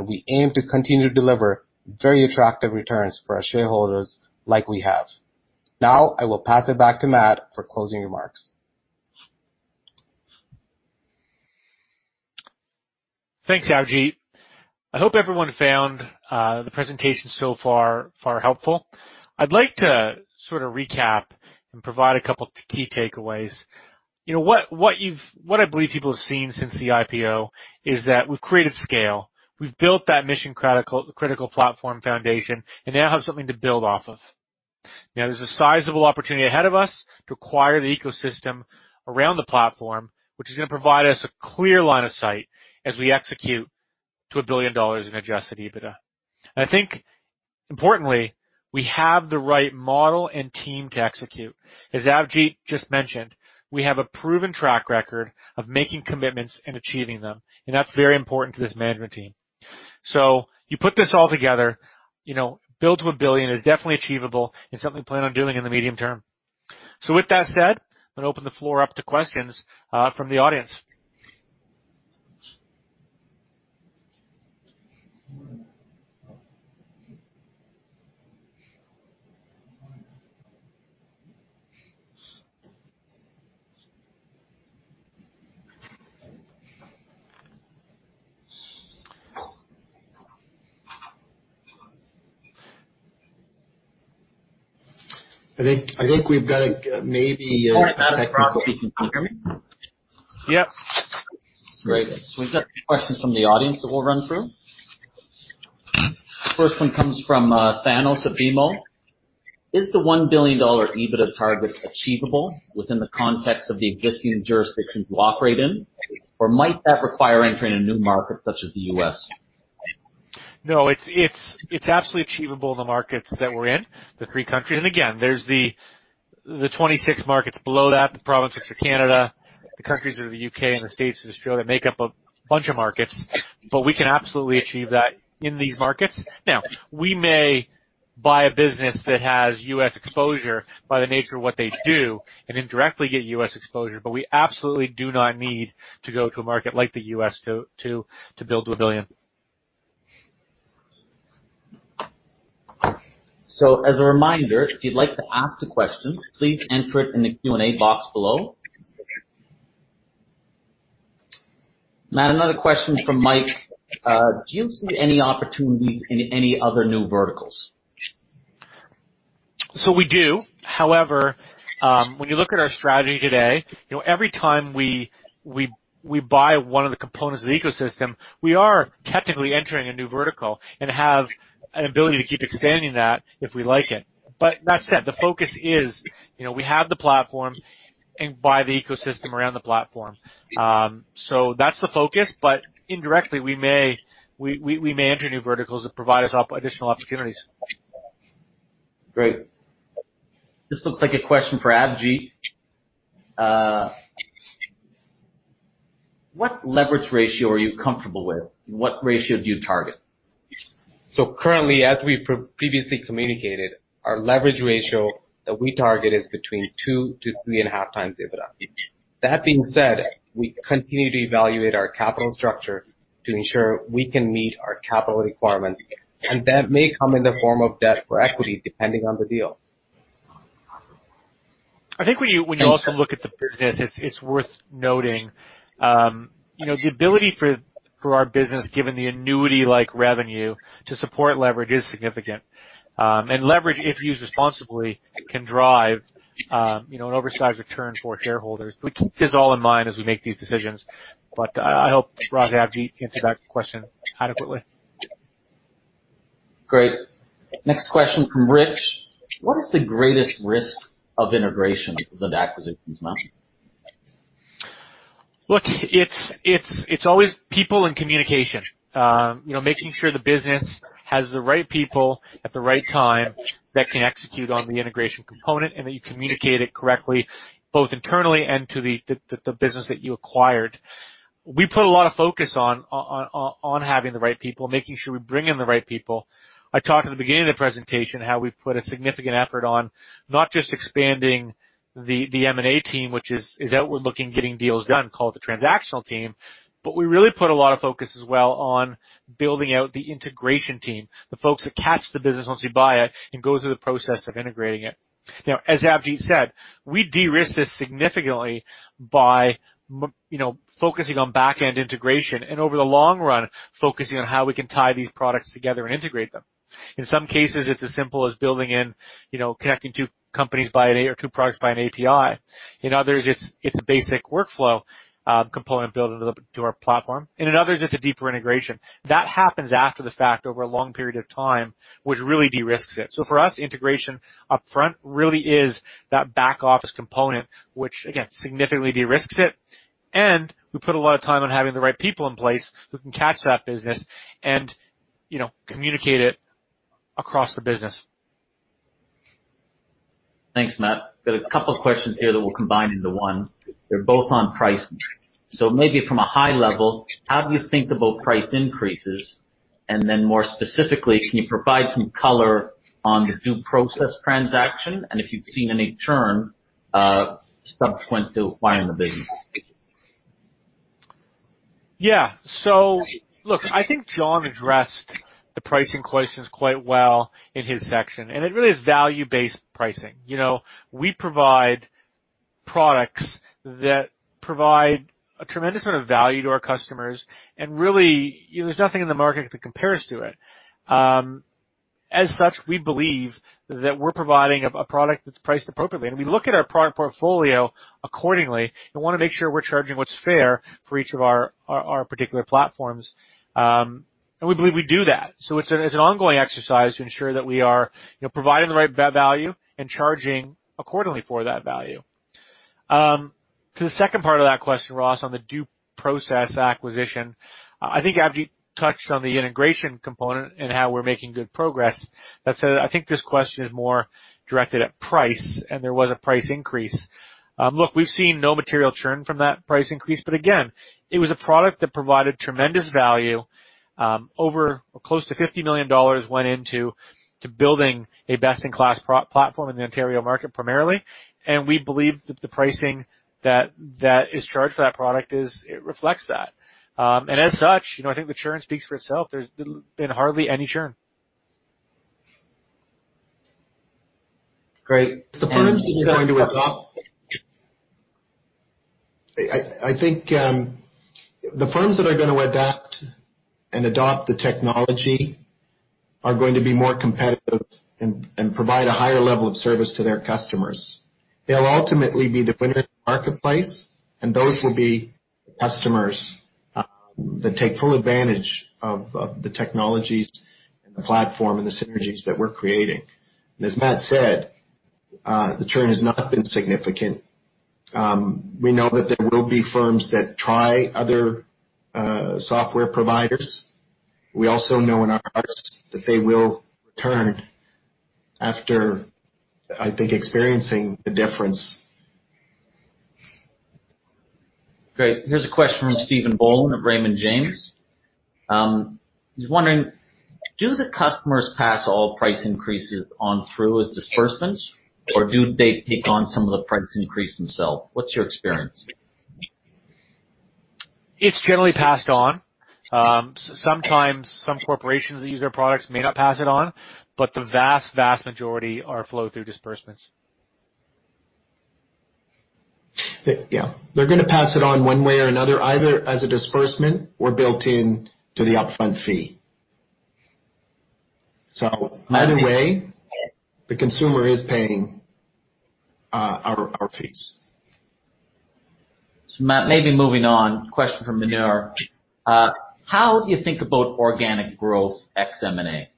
We aim to continue to deliver very attractive returns for our shareholders like we have. Now, I will pass it back to Matt for closing remarks. Thanks, Avjit. I hope everyone found the presentation so far helpful. I'd like to sort of recap and provide a couple of key takeaways. What I believe people have seen since the IPO is that we've created scale. We've built that mission-critical platform foundation and now have something to build off of. Now, there's a sizable opportunity ahead of us to acquire the ecosystem around the platform, which is going to provide us a clear line of sight as we execute to a billion dollars in adjusted EBITDA. I think, importantly, we have the right model and team to execute. As Avjit just mentioned, we have a proven track record of making commitments and achieving them, and that's very important to this management team. You put this all together, build to a billion is definitely achievable and something we plan on doing in the medium term. With that said, I'm going to open the floor up to questions from the audience. I think we've got maybe a technical— Can you hear me? Yep. Great. We've got questions from the audience that we'll run through. First one comes from Thanos at BMO; "Is the $1 billion EBITDA target achievable within the context of the existing jurisdictions you operate in, or might that require entering a new market such as the U.S.?" No, it's absolutely achievable in the markets that we're in, the three countries. Again, there's the 26 markets below that, the provinces of Canada, the countries of the U.K., and the states of Australia make up a bunch of markets, but we can absolutely achieve that in these markets. Now, we may buy a business that has U.S. exposure by the nature of what they do and indirectly get U.S. exposure, but we absolutely do not need to go to a market like the U.S. to build to a billion. As a reminder, if you'd like to ask a question, please enter it in the Q&A box below. Matt, another question from Mike; "Do you see any opportunities in any other new verticals?" We do. However, when you look at our strategy today, every time we buy one of the components of the ecosystem, we are technically entering a new vertical and have an ability to keep expanding that if we like it. That said, the focus is we have the platform and buy the ecosystem around the platform. That is the focus, but indirectly, we may enter new verticals that provide us additional opportunities. Great. This looks like a question for Avjit; "What leverage ratio are you comfortable with? What ratio do you target?" As we previously communicated, our leverage ratio that we target is between 2-3.5 times EBITDA. That being said, we continue to evaluate our capital structure to ensure we can meet our capital requirements, and that may come in the form of debt or equity depending on the deal. I think when you also look at the business, it's worth noting the ability for our business, given the annuity-like revenue, to support leverage is significant. Leverage, if used responsibly, can drive an oversized return for shareholders. We keep this all in mind as we make these decisions, but I hope Avjit answered that question adequately. Great. Next question from Rich; "What is the greatest risk of integration with acquisitions, Matt?" Look, it's always people and communication. Making sure the business has the right people at the right time that can execute on the integration component and that you communicate it correctly both internally and to the business that you acquired. We put a lot of focus on having the right people, making sure we bring in the right people. I talked at the beginning of the presentation how we put a significant effort on not just expanding the M&A team, which is outward-looking, getting deals done, call it the transactional team, but we really put a lot of focus as well on building out the integration team, the folks that catch the business once you buy it and go through the process of integrating it. Now, as Avjit said, we de-risk this significantly by focusing on back-end integration and over the long run, focusing on how we can tie these products together and integrate them. In some cases, it's as simple as building in connecting two companies or two products by an API. In others, it's a basic workflow component built into our platform. In others, it's a deeper integration. That happens after the fact over a long period of time, which really de-risks it. For us, integration upfront really is that back office component, which, again, significantly de-risks it. We put a lot of time on having the right people in place who can catch that business and communicate it across the business. Thanks, Matt. We've got a couple of questions here that we'll combine into one. They're both on pricing; "maybe from a high level, how do you think about price increases? And then more specifically, can you provide some color on the Due Process transaction and if you've seen any churn subsequent to acquiring the business?" Yeah. Look, I think John addressed the pricing questions quite well in his section, and it really is value-based pricing. We provide products that provide a tremendous amount of value to our customers, and really, there's nothing in the market that compares to it. As such, we believe that we're providing a product that's priced appropriately. We look at our product portfolio accordingly and want to make sure we're charging what's fair for each of our particular platforms. We believe we do that. It's an ongoing exercise to ensure that we are providing the right value and charging accordingly for that value. To the second part of that question, Ross, on the Due Process acquisition, I think Avjit touched on the integration component and how we're making good progress. That said, I think this question is more directed at price, and there was a price increase. Look, we've seen no material churn from that price increase, but again, it was a product that provided tremendous value. Close to 50 million dollars went into building a best-in-class platform in the Ontario market primarily, and we believe that the pricing that is charged for that product reflects that. As such, I think the churn speaks for itself. There's been hardly any churn. Great. The firms that are going to adopt. I think the firms that are going to adapt and adopt the technology are going to be more competitive and provide a higher level of service to their customers. They'll ultimately be the winner in the marketplace, and those will be the customers that take full advantage of the technologies and the platform and the synergies that we're creating. As Matt said, the churn has not been significant. We know that there will be firms that try other software providers. We also know in our hearts that they will return after, I think, experiencing the difference. Great. Here's a question from Stephen Boland at Raymond James. He's wondering; "do the customers pass all price increases on through as disbursements, or do they take on some of the price increase themselves? What's your experience?" It's generally passed on. Sometimes some corporations that use our products may not pass it on, but the vast, vast majority flow through disbursements. Yeah. They're going to pass it on one way or another, either as a disbursement or built into the upfront fee. Either way, the consumer is paying our fees. Matt, maybe moving on, question from Manur; "How do you think about organic growth XM&A?"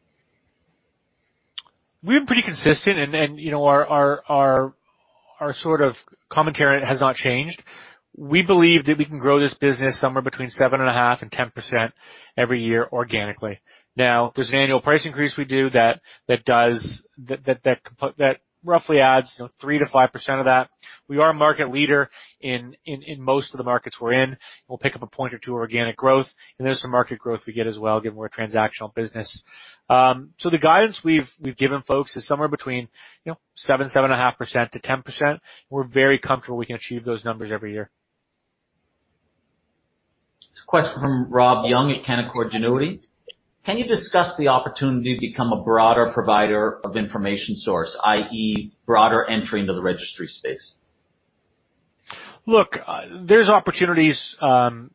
We've been pretty consistent, and our sort of commentary has not changed. We believe that we can grow this business somewhere between 7.5% and 10% every year organically. Now, there's an annual price increase we do that roughly adds 3-5% of that. We are a market leader in most of the markets we're in. We'll pick up a point or two organic growth, and there's some market growth we get as well, given we're a transactional business. The guidance we've given folks is somewhere between 7-7.5% to 10%. We're very comfortable we can achieve those numbers every year. Question from Rob Young at Canaccord Genuity; "Can you discuss the opportunity to become a broader provider of information source, i.e., broader entry into the registry space?" Look, there's opportunities in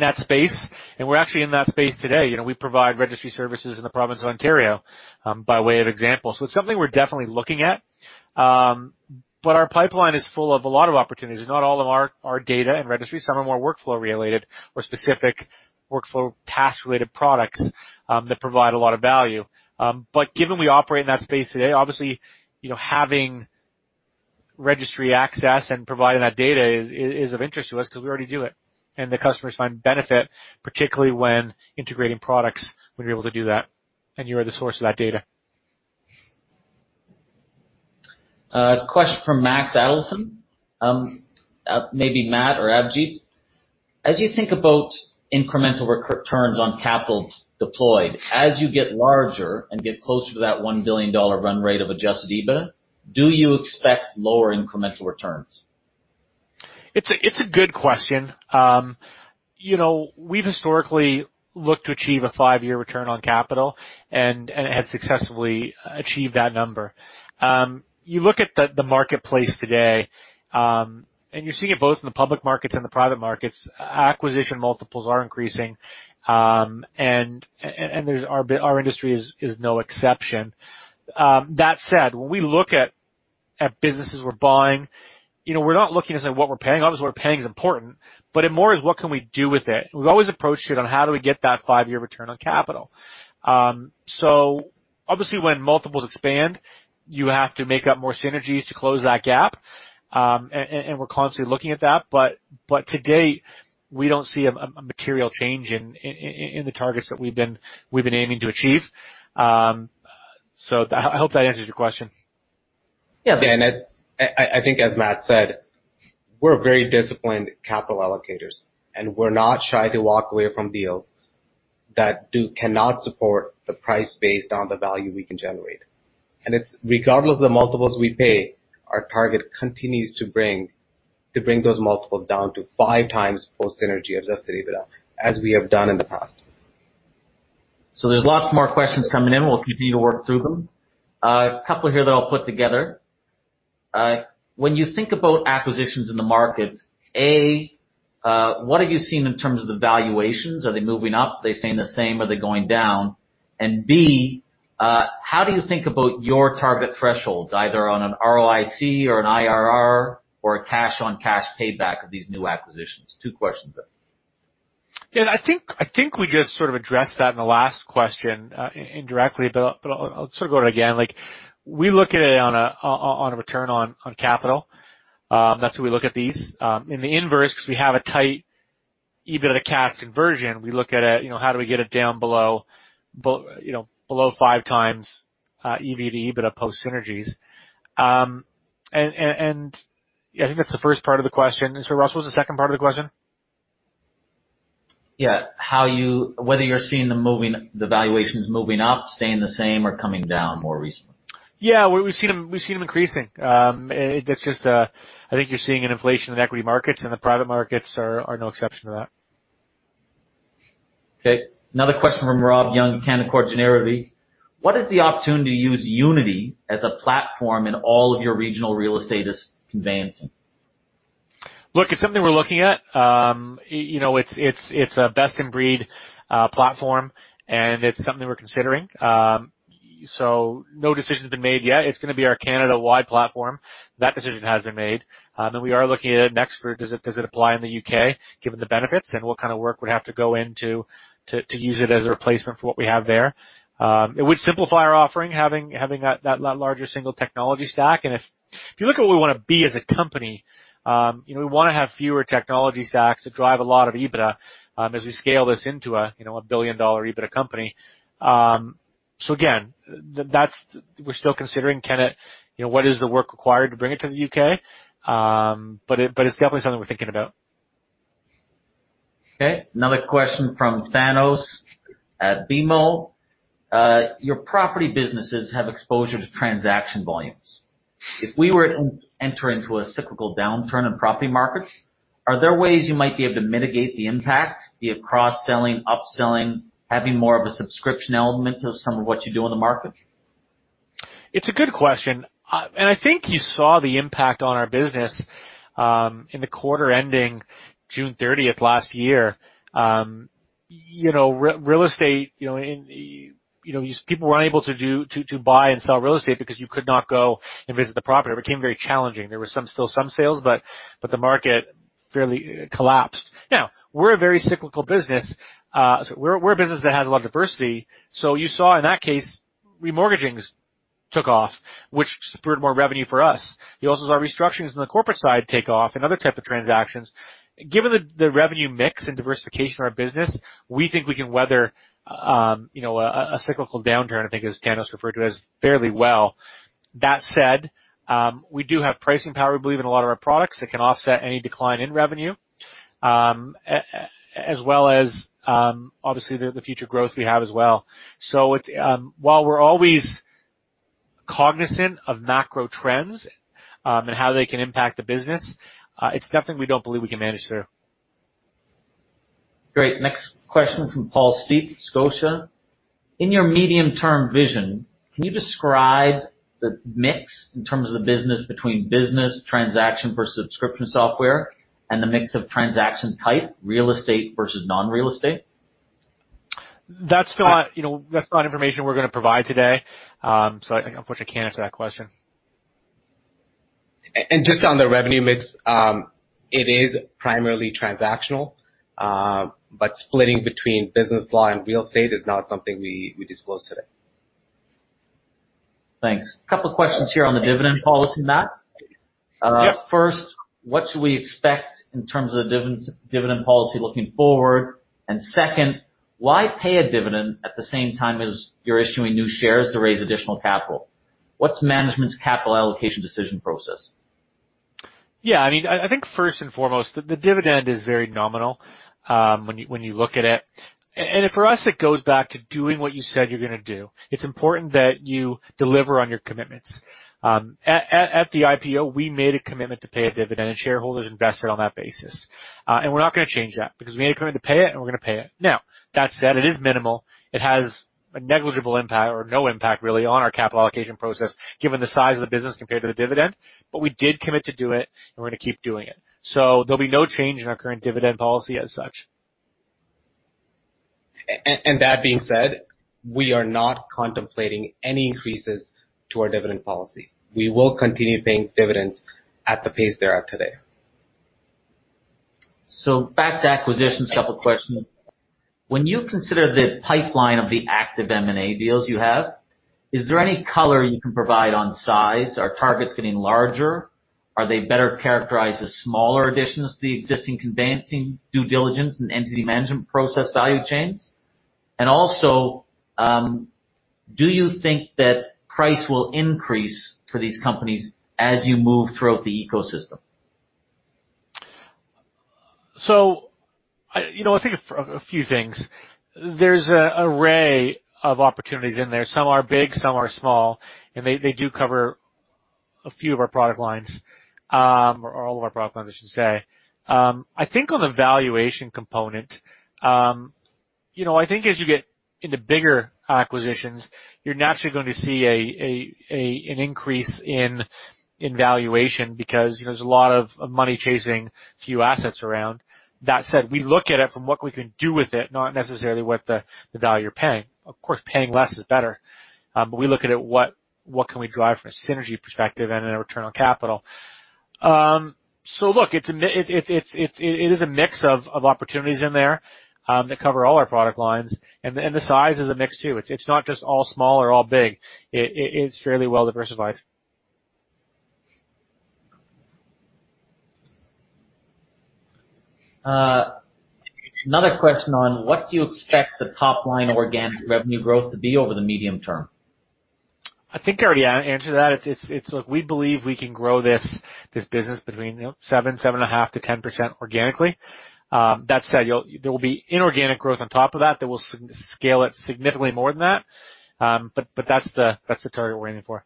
that space, and we're actually in that space today. We provide registry services in the province of Ontario by way of example. It is something we're definitely looking at, but our pipeline is full of a lot of opportunities. Not all are data and registry; some are more workflow-related or specific workflow task-related products that provide a lot of value. Given we operate in that space today, obviously having registry access and providing that data is of interest to us because we already do it, and the customers find benefit, particularly when integrating products when you're able to do that and you're the source of that data. Question from Max Adelson. Maybe Matt or Avjit; "As you think about incremental returns on capital deployed, as you get larger and get closer to that $1 billion run rate of adjusted EBITDA, do you expect lower incremental returns?" It's a good question. We've historically looked to achieve a five-year return on capital and have successfully achieved that number. You look at the marketplace today, and you're seeing it both in the public markets and the private markets. Acquisition multiples are increasing, and our industry is no exception. That said, when we look at businesses we're buying, we're not looking at what we're paying. Obviously, what we're paying is important, but it more is what can we do with it? We've always approached it on how do we get that five-year return on capital. Obviously, when multiples expand, you have to make up more synergies to close that gap, and we're constantly looking at that. To date, we don't see a material change in the targets that we've been aiming to achieve. I hope that answers your question. Yeah. I think, as Matt said, we're very disciplined capital allocators, and we're not shy to walk away from deals that cannot support the price based on the value we can generate. Regardless of the multiples we pay, our target continues to bring those multiples down to five times post-synergy adjusted EBITDA, as we have done in the past. There are lots more questions coming in. We'll continue to work through them. A couple here that I'll put together. "When you think about acquisitions in the market, A, what have you seen in terms of the valuations? Are they moving up? Are they staying the same? Are they going down? B, how do you think about your target thresholds, either on an ROIC or an IRR or a cash-on-cash payback of these new acquisitions?" Two questions there. Yeah. I think we just sort of addressed that in the last question indirectly, but I'll sort of go to it again. We look at it on a return on capital. That's how we look at these. In the inverse, because we have a tight EBITDA to cash conversion, we look at it, how do we get it down below five times EV to EBITDA post-synergies? I think that's the first part of the question. Ross, what was the second part of the question? Yeah. Whether you're seeing the valuations moving up, staying the same, or coming down more recently. Yeah. We've seen them increasing. It's just I think you're seeing an inflation in equity markets, and the private markets are no exception to that. Okay. Another question from Rob Young at Canaccord Genuity; "What is the opportunity to use Unity as a platform in all of your regional real estate conveyancing?" Look, it's something we're looking at. It's a best-in-breed platform, and it's something we're considering. No decision has been made yet. It's going to be our Canada-wide platform. That decision has been made. We are looking at it next for, does it apply in the U.K., given the benefits, and what kind of work would have to go in to use it as a replacement for what we have there? It would simplify our offering, having that larger single technology stack. If you look at what we want to be as a company, we want to have fewer technology stacks to drive a lot of EBITDA as we scale this into a billion-dollar EBITDA company. We are still considering, can it, what is the work required to bring it to the U.K.? It is definitely something we are thinking about. Okay. Another question from Thanos at BMO; "Your property businesses have exposure to transaction volumes. If we were to enter into a cyclical downturn in property markets, are there ways you might be able to mitigate the impact, the cross-selling, upselling, having more of a subscription element of some of what you do in the market?" It is a good question. I think you saw the impact on our business in the quarter ending June 30, 2023. Real estate, people were unable to buy and sell real estate because you could not go and visit the property. It became very challenging. There were still some sales, but the market fairly collapsed. Now, we're a very cyclical business. We're a business that has a lot of diversity. You saw, in that case, remortgaging took off, which spurred more revenue for us. You also saw restructurings on the corporate side take off and other types of transactions. Given the revenue mix and diversification of our business, we think we can weather a cyclical downturn, I think, as Thanos referred to as fairly well. That said, we do have pricing power, we believe, in a lot of our products that can offset any decline in revenue, as well as, obviously, the future growth we have as well. While we're always cognizant of macro trends and how they can impact the business, it's definitely we don't believe we can manage through. Great. Next question from Paul Stethe, Scotia; "In your medium-term vision, can you describe the mix in terms of the business between business transaction versus subscription software and the mix of transaction type, real estate versus non-real estate?" That's not information we're going to provide today, so unfortunately, I can't answer that question. Just on the revenue mix, it is primarily transactional, but splitting between business law and real estate is not something we disclose today. Thanks. A couple of questions here on the dividend policy, Matt. First; "what should we expect in terms of the dividend policy looking forward?" Second; "why pay a dividend at the same time as you're issuing new shares to raise additional capital? What's management's capital allocation decision process?" Yeah. I mean, I think first and foremost, the dividend is very nominal when you look at it. For us, it goes back to doing what you said you're going to do. It's important that you deliver on your commitments. At the IPO, we made a commitment to pay a dividend, and shareholders invested on that basis. We're not going to change that because we made a commitment to pay it, and we're going to pay it. Now, that said, it is minimal. It has a negligible impact or no impact, really, on our capital allocation process, given the size of the business compared to the dividend, but we did commit to do it, and we're going to keep doing it. There'll be no change in our current dividend policy as such. That being said, we are not contemplating any increases to our dividend policy. We will continue paying dividends at the pace they're at today. Back to acquisitions, a couple of questions. "When you consider the pipeline of the active M&A deals you have, is there any color you can provide on size? Are targets getting larger? Are they better characterized as smaller additions to the existing conveyancing, due diligence, and entity management process value chains? Also, do you think that price will increase for these companies as you move throughout the ecosystem?" I think a few things. There's an array of opportunities in there. Some are big, some are small, and they do cover a few of our product lines or all of our product lines, I should say. I think on the valuation component, I think as you get into bigger acquisitions, you're naturally going to see an increase in valuation because there's a lot of money chasing few assets around. That said, we look at it from what we can do with it, not necessarily what the value you're paying. Of course, paying less is better, but we look at it, what can we drive from a synergy perspective and in a return on capital? It is a mix of opportunities in there that cover all our product lines, and the size is a mix too. It's not just all small or all big. It's fairly well diversified. Another question on what do you expect the top-line organic revenue growth to be over the medium term? I think I already answered that. It's look, we believe we can grow this business between 7-7.5% to 10% organically. That said, there will be inorganic growth on top of that that will scale it significantly more than that, but that's the target we're aiming for.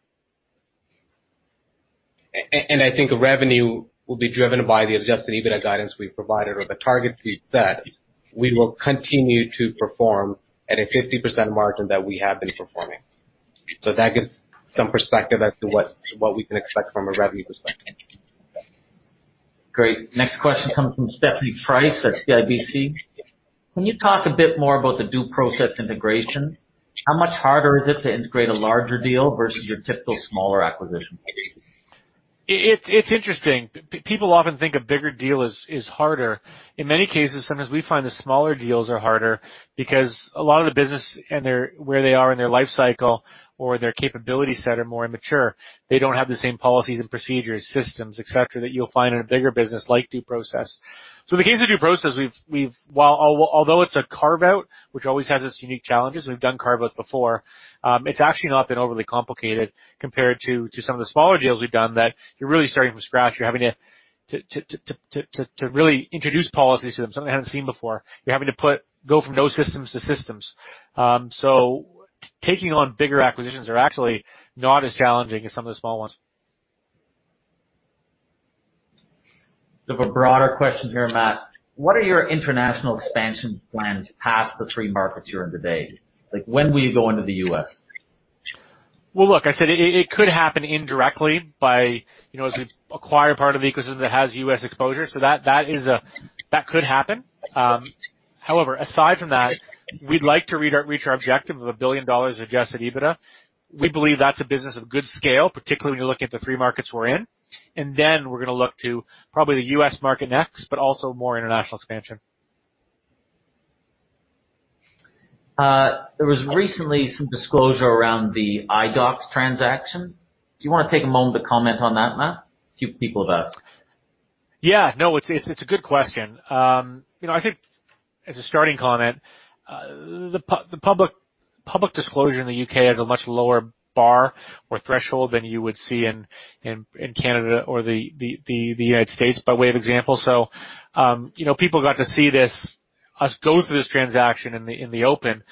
I think revenue will be driven by the adjusted EBITDA guidance we've provided or the target we've set. We will continue to perform at a 50% margin that we have been performing. That gives some perspective as to what we can expect from a revenue perspective. Great. Next question comes from Stephanie Price at CIBC; "Can you talk a bit more about the Due Process integration? How much harder is it to integrate a larger deal versus your typical smaller acquisition?" It's interesting. People often think a bigger deal is harder. In many cases, sometimes we find the smaller deals are harder because a lot of the business and where they are in their life cycle or their capability set are more immature. They do not have the same policies and procedures, systems, etc., that you will find in a bigger business like Due Process. In the case of Due Process, although it is a carve-out, which always has its unique challenges, we have done carve-outs before, it has actually not been overly complicated compared to some of the smaller deals we have done that you are really starting from scratch. You are having to really introduce policies to them, something they have not seen before. You are having to go from no systems to systems. Taking on bigger acquisitions are actually not as challenging as some of the small ones. We have a broader question here, Matt. "What are your international expansion plans past the three markets you're in today? When will you go into the U.S.?" Look, I said it could happen indirectly as we acquire part of the ecosystem that has U.S. exposure. That could happen. However, aside from that, we'd like to reach our objective of $1 billion adjusted EBITDA. We believe that's a business of good scale, particularly when you're looking at the three markets we're in. We are going to look to probably the U.S. market next, but also more international expansion. "There was recently some disclosure around the IDOX transaction. Do you want to take a moment to comment on that, Matt?" A few people have asked. Yeah. No, it's a good question. I think as a starting comment, the public disclosure in the U.K. has a much lower bar or threshold than you would see in Canada or the United States by way of example. People got to see us go through this transaction in the open,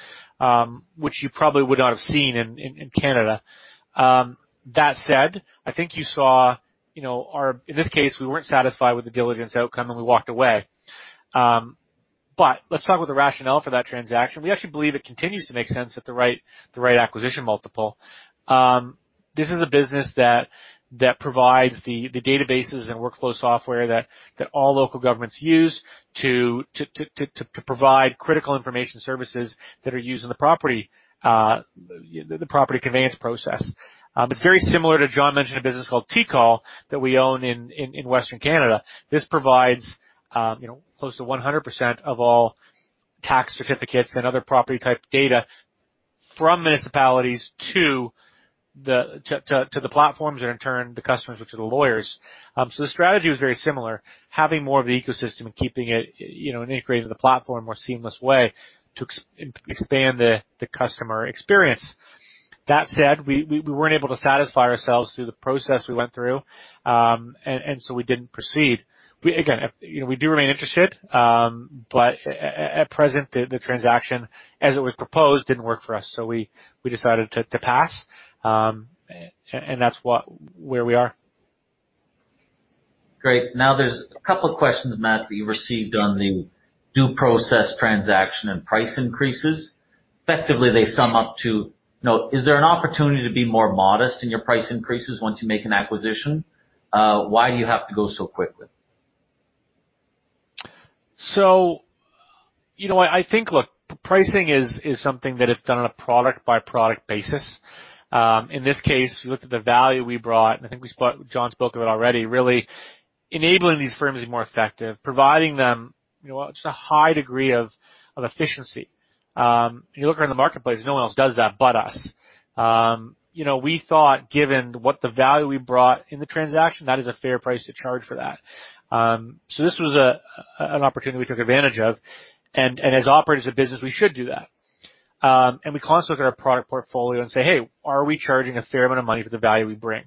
which you probably would not have seen in Canada. That said, I think you saw in this case, we were not satisfied with the diligence outcome, and we walked away. Let's talk about the rationale for that transaction. We actually believe it continues to make sense at the right acquisition multiple. This is a business that provides the databases and workflow software that all local governments use to provide critical information services that are used in the property conveyance process. It is very similar to John mentioned a business called TCOL that we own in Western Canada. This provides close to 100% of all tax certificates and other property-type data from municipalities to the platforms and in turn the customers, which are the lawyers. The strategy was very similar, having more of the ecosystem and keeping it integrated into the platform in a more seamless way to expand the customer experience. That said, we weren't able to satisfy ourselves through the process we went through, and we didn't proceed. Again, we do remain interested, but at present, the transaction, as it was proposed, didn't work for us. We decided to pass, and that's where we are. Great. Now, there's a couple of questions, Matt, that you received on the Due Process transaction and price increases. Effectively, they sum up to: "is there an opportunity to be more modest in your price increases once you make an acquisition? Why do you have to go so quickly?" I think, look, pricing is something that is done on a product-by-product basis. In this case, we looked at the value we brought, and I think John spoke of it already. Really enabling these firms to be more effective, providing them just a high degree of efficiency. You look around the marketplace, no one else does that but us. We thought, given what the value we brought in the transaction, that is a fair price to charge for that. This was an opportunity we took advantage of. As operators of business, we should do that. We constantly look at our product portfolio and say, "Hey, are we charging a fair amount of money for the value we bring?"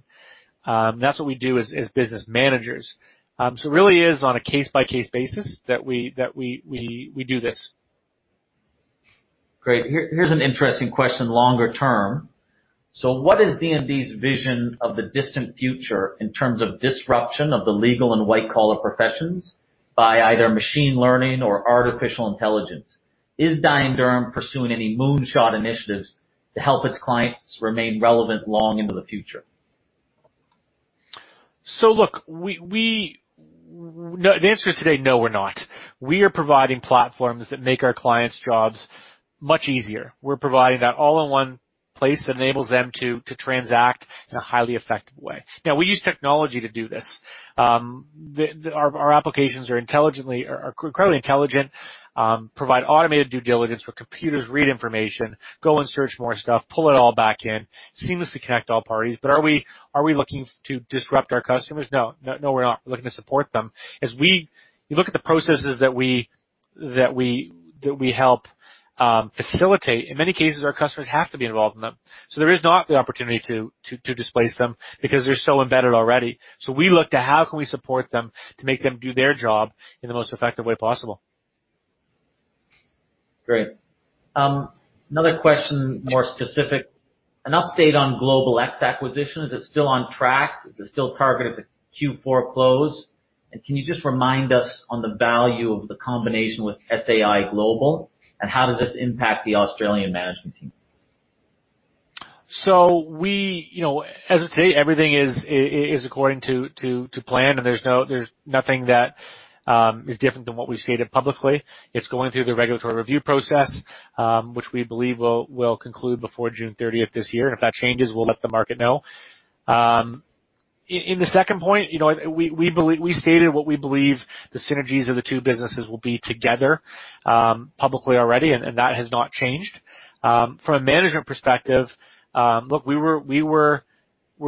That is what we do as business managers. It really is on a case-by-case basis that we do this. Great. Here's an interesting question longer term. "What is D&D's vision of the distant future in terms of disruption of the legal and white-collar professions by either machine learning or artificial intelligence? Is Dye & Durham pursuing any moonshot initiatives to help its clients remain relevant long into the future?" The answer is today, no or not. We are providing platforms that make our clients' jobs much easier. We're providing that all-in-one place that enables them to transact in a highly effective way. We use technology to do this. Our applications are incredibly intelligent, provide automated due diligence where computers read information, go and search more stuff, pull it all back in, seamlessly connect all parties. Are we looking to disrupt our customers? No. No, we're not. We're looking to support them. As we look at the processes that we help facilitate, in many cases, our customers have to be involved in them. There is not the opportunity to displace them because they're so embedded already. We look to how can we support them to make them do their job in the most effective way possible. Great. Another question, more specific. An update on Global X acquisition. Is it still on track? Is it still targeted to Q4 close? Can you just remind us on the value of the combination with SAI Global and how does this impact the Australian management team? As of today, everything is according to plan, and there's nothing that is different than what we've stated publicly. It's going through the regulatory review process, which we believe will conclude before June 30th this year. If that changes, we'll let the market know. In the second point, we stated what we believe the synergies of the two businesses will be together publicly already, and that has not changed. From a management perspective, look, we were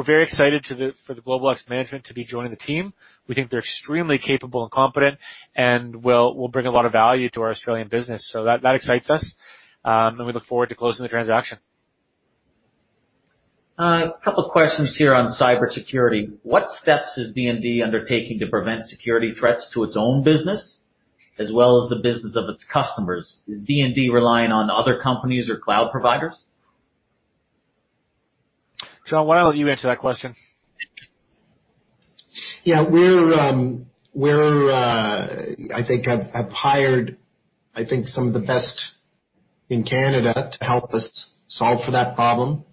very excited for the Global X management to be joining the team. We think they're extremely capable and competent and will bring a lot of value to our Australian business. That excites us, and we look forward to closing the transaction. A couple of questions here on cybersecurity; "What steps is D&D undertaking to prevent security threats to its own business as well as the business of its customers? Is D&D relying on other companies or cloud providers?" John, why don't you answer that question? Yeah. We, I think, have hired, I think, some of the best in Canada to help us solve for that problem.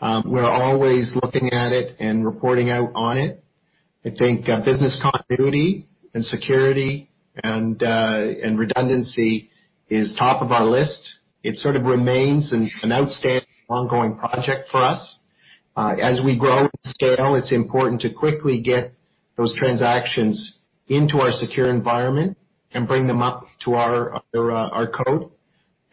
We're always looking at it and reporting out on it. I think business continuity and security and redundancy is top of our list. It sort of remains an outstanding ongoing project for us. As we grow in scale, it's important to quickly get those transactions into our secure environment and bring them up to our code.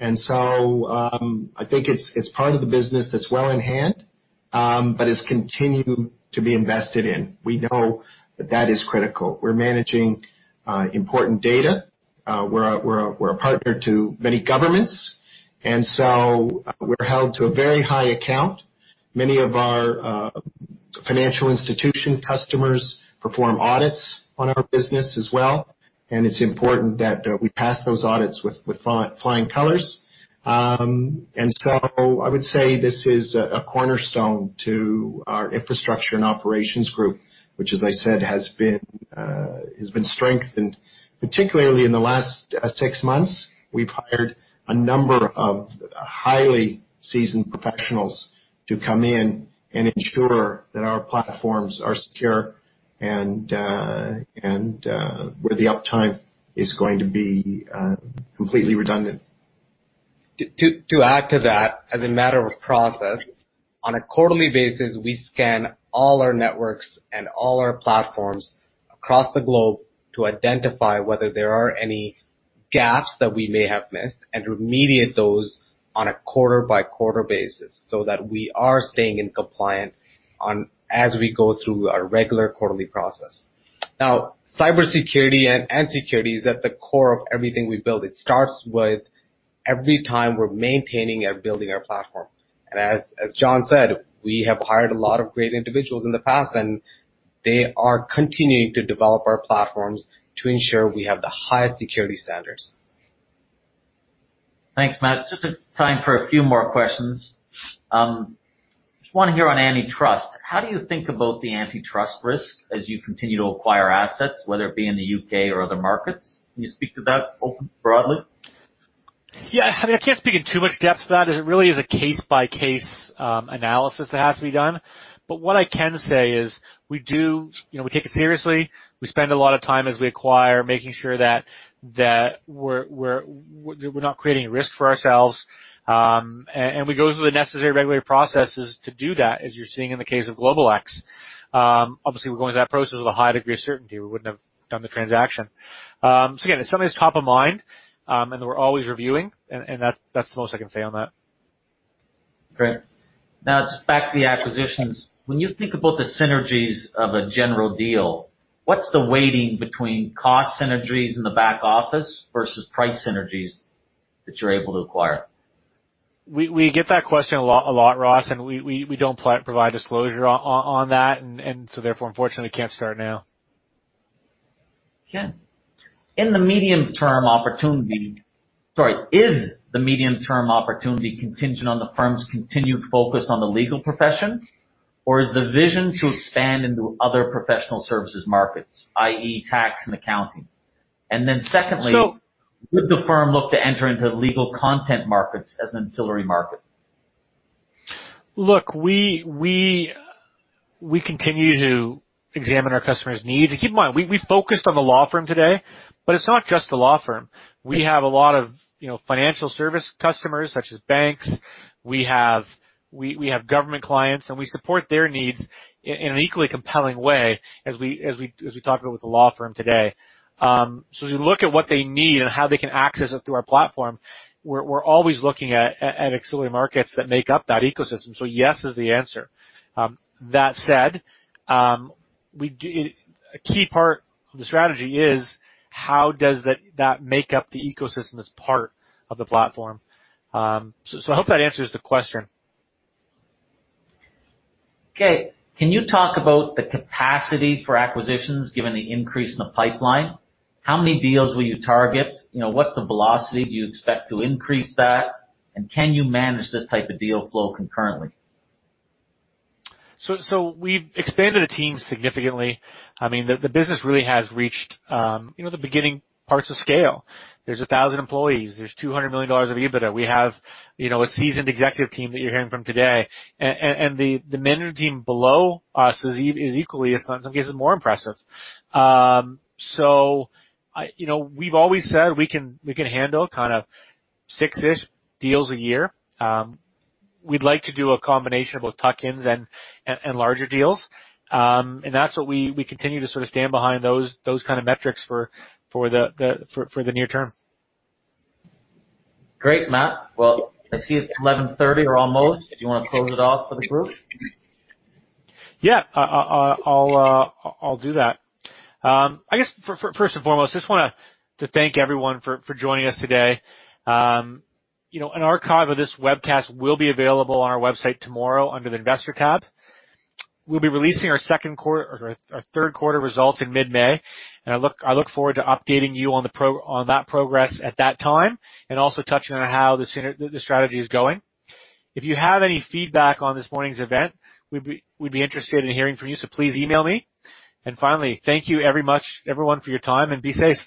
I think it's part of the business that's well in hand, but it's continued to be invested in. We know that that is critical. We're managing important data. We're a partner to many governments, and we're held to a very high account. Many of our financial institution customers perform audits on our business as well, and it's important that we pass those audits with flying colors. I would say this is a cornerstone to our infrastructure and operations group, which, as I said, has been strengthened, particularly in the last six months. We've hired a number of highly seasoned professionals to come in and ensure that our platforms are secure and where the uptime is going to be completely redundant. To add to that, as a matter of process, on a quarterly basis, we scan all our networks and all our platforms across the globe to identify whether there are any gaps that we may have missed and remediate those on a quarter-by-quarter basis so that we are staying in compliance as we go through our regular quarterly process. Now, cybersecurity and security is at the core of everything we build. It starts with every time we're maintaining and building our platform. As John said, we have hired a lot of great individuals in the past, and they are continuing to develop our platforms to ensure we have the highest security standards. Thanks, Matt. Just time for a few more questions; "Just want to hear on antitrust. How do you think about the antitrust risk as you continue to acquire assets, whether it be in the U.K. or other markets? Can you speak to that broadly?" Yeah. I mean, I can't speak in too much depth to that. It really is a case-by-case analysis that has to be done. What I can say is we do take it seriously. We spend a lot of time as we acquire, making sure that we're not creating risk for ourselves. We go through the necessary regulatory processes to do that, as you're seeing in the case of Global X. Obviously, we're going through that process with a high degree of certainty. We wouldn't have done the transaction. It's something that's top of mind, and we're always reviewing, and that's the most I can say on that. Great. Now, just back to the acquisitions; "When you think about the synergies of a general deal, what's the weighting between cost synergies in the back office versus price synergies that you're able to acquire?" We get that question a lot, Ross, and we don't provide disclosure on that. Therefore, unfortunately, we can't start now. Okay. "In the medium-term opportunity"—sorry, "is the medium-term opportunity contingent on the firm's continued focus on the legal profession, or is the vision to expand into other professional services markets, i.e., tax and accounting?" And then secondly; "would the firm look to enter into legal content markets as an auxiliary market?" Look, we continue to examine our customers' needs. Keep in mind, we focused on the law firm today, but it's not just the law firm. We have a lot of financial service customers such as banks. We have government clients, and we support their needs in an equally compelling way as we talked about with the law firm today. As we look at what they need and how they can access it through our platform, we're always looking at auxiliary markets that make up that ecosystem. Yes is the answer. That said, a key part of the strategy is how does that make up the ecosystem that's part of the platform. I hope that answers the question. Okay. "Can you talk about the capacity for acquisitions given the increase in the pipeline? How many deals will you target? What's the velocity? Do you expect to increase that? Can you manage this type of deal flow concurrently?" We've expanded the team significantly. I mean, the business really has reached the beginning parts of scale. There's 1,000 employees. There's $200 million of EBITDA. We have a seasoned executive team that you're hearing from today. The management team below us is equally, if not in some cases, more impressive. We have always said we can handle kind of six-ish deals a year. We would like to do a combination of both tuck-ins and larger deals. That is what we continue to sort of stand behind, those kind of metrics for the near term. Great, Matt. I see it is 11:30 or almost. Do you want to close it off for the group? Yeah. I will do that. I guess, first and foremost, I just want to thank everyone for joining us today. An archive of this webcast will be available on our website tomorrow under the investor tab. We will be releasing our Second Quarter or our Third Quarter results in mid-May. I look forward to updating you on that progress at that time and also touching on how the strategy is going. If you have any feedback on this morning's event, we'd be interested in hearing from you, so please email me. Finally, thank you everyone for your time, and be safe.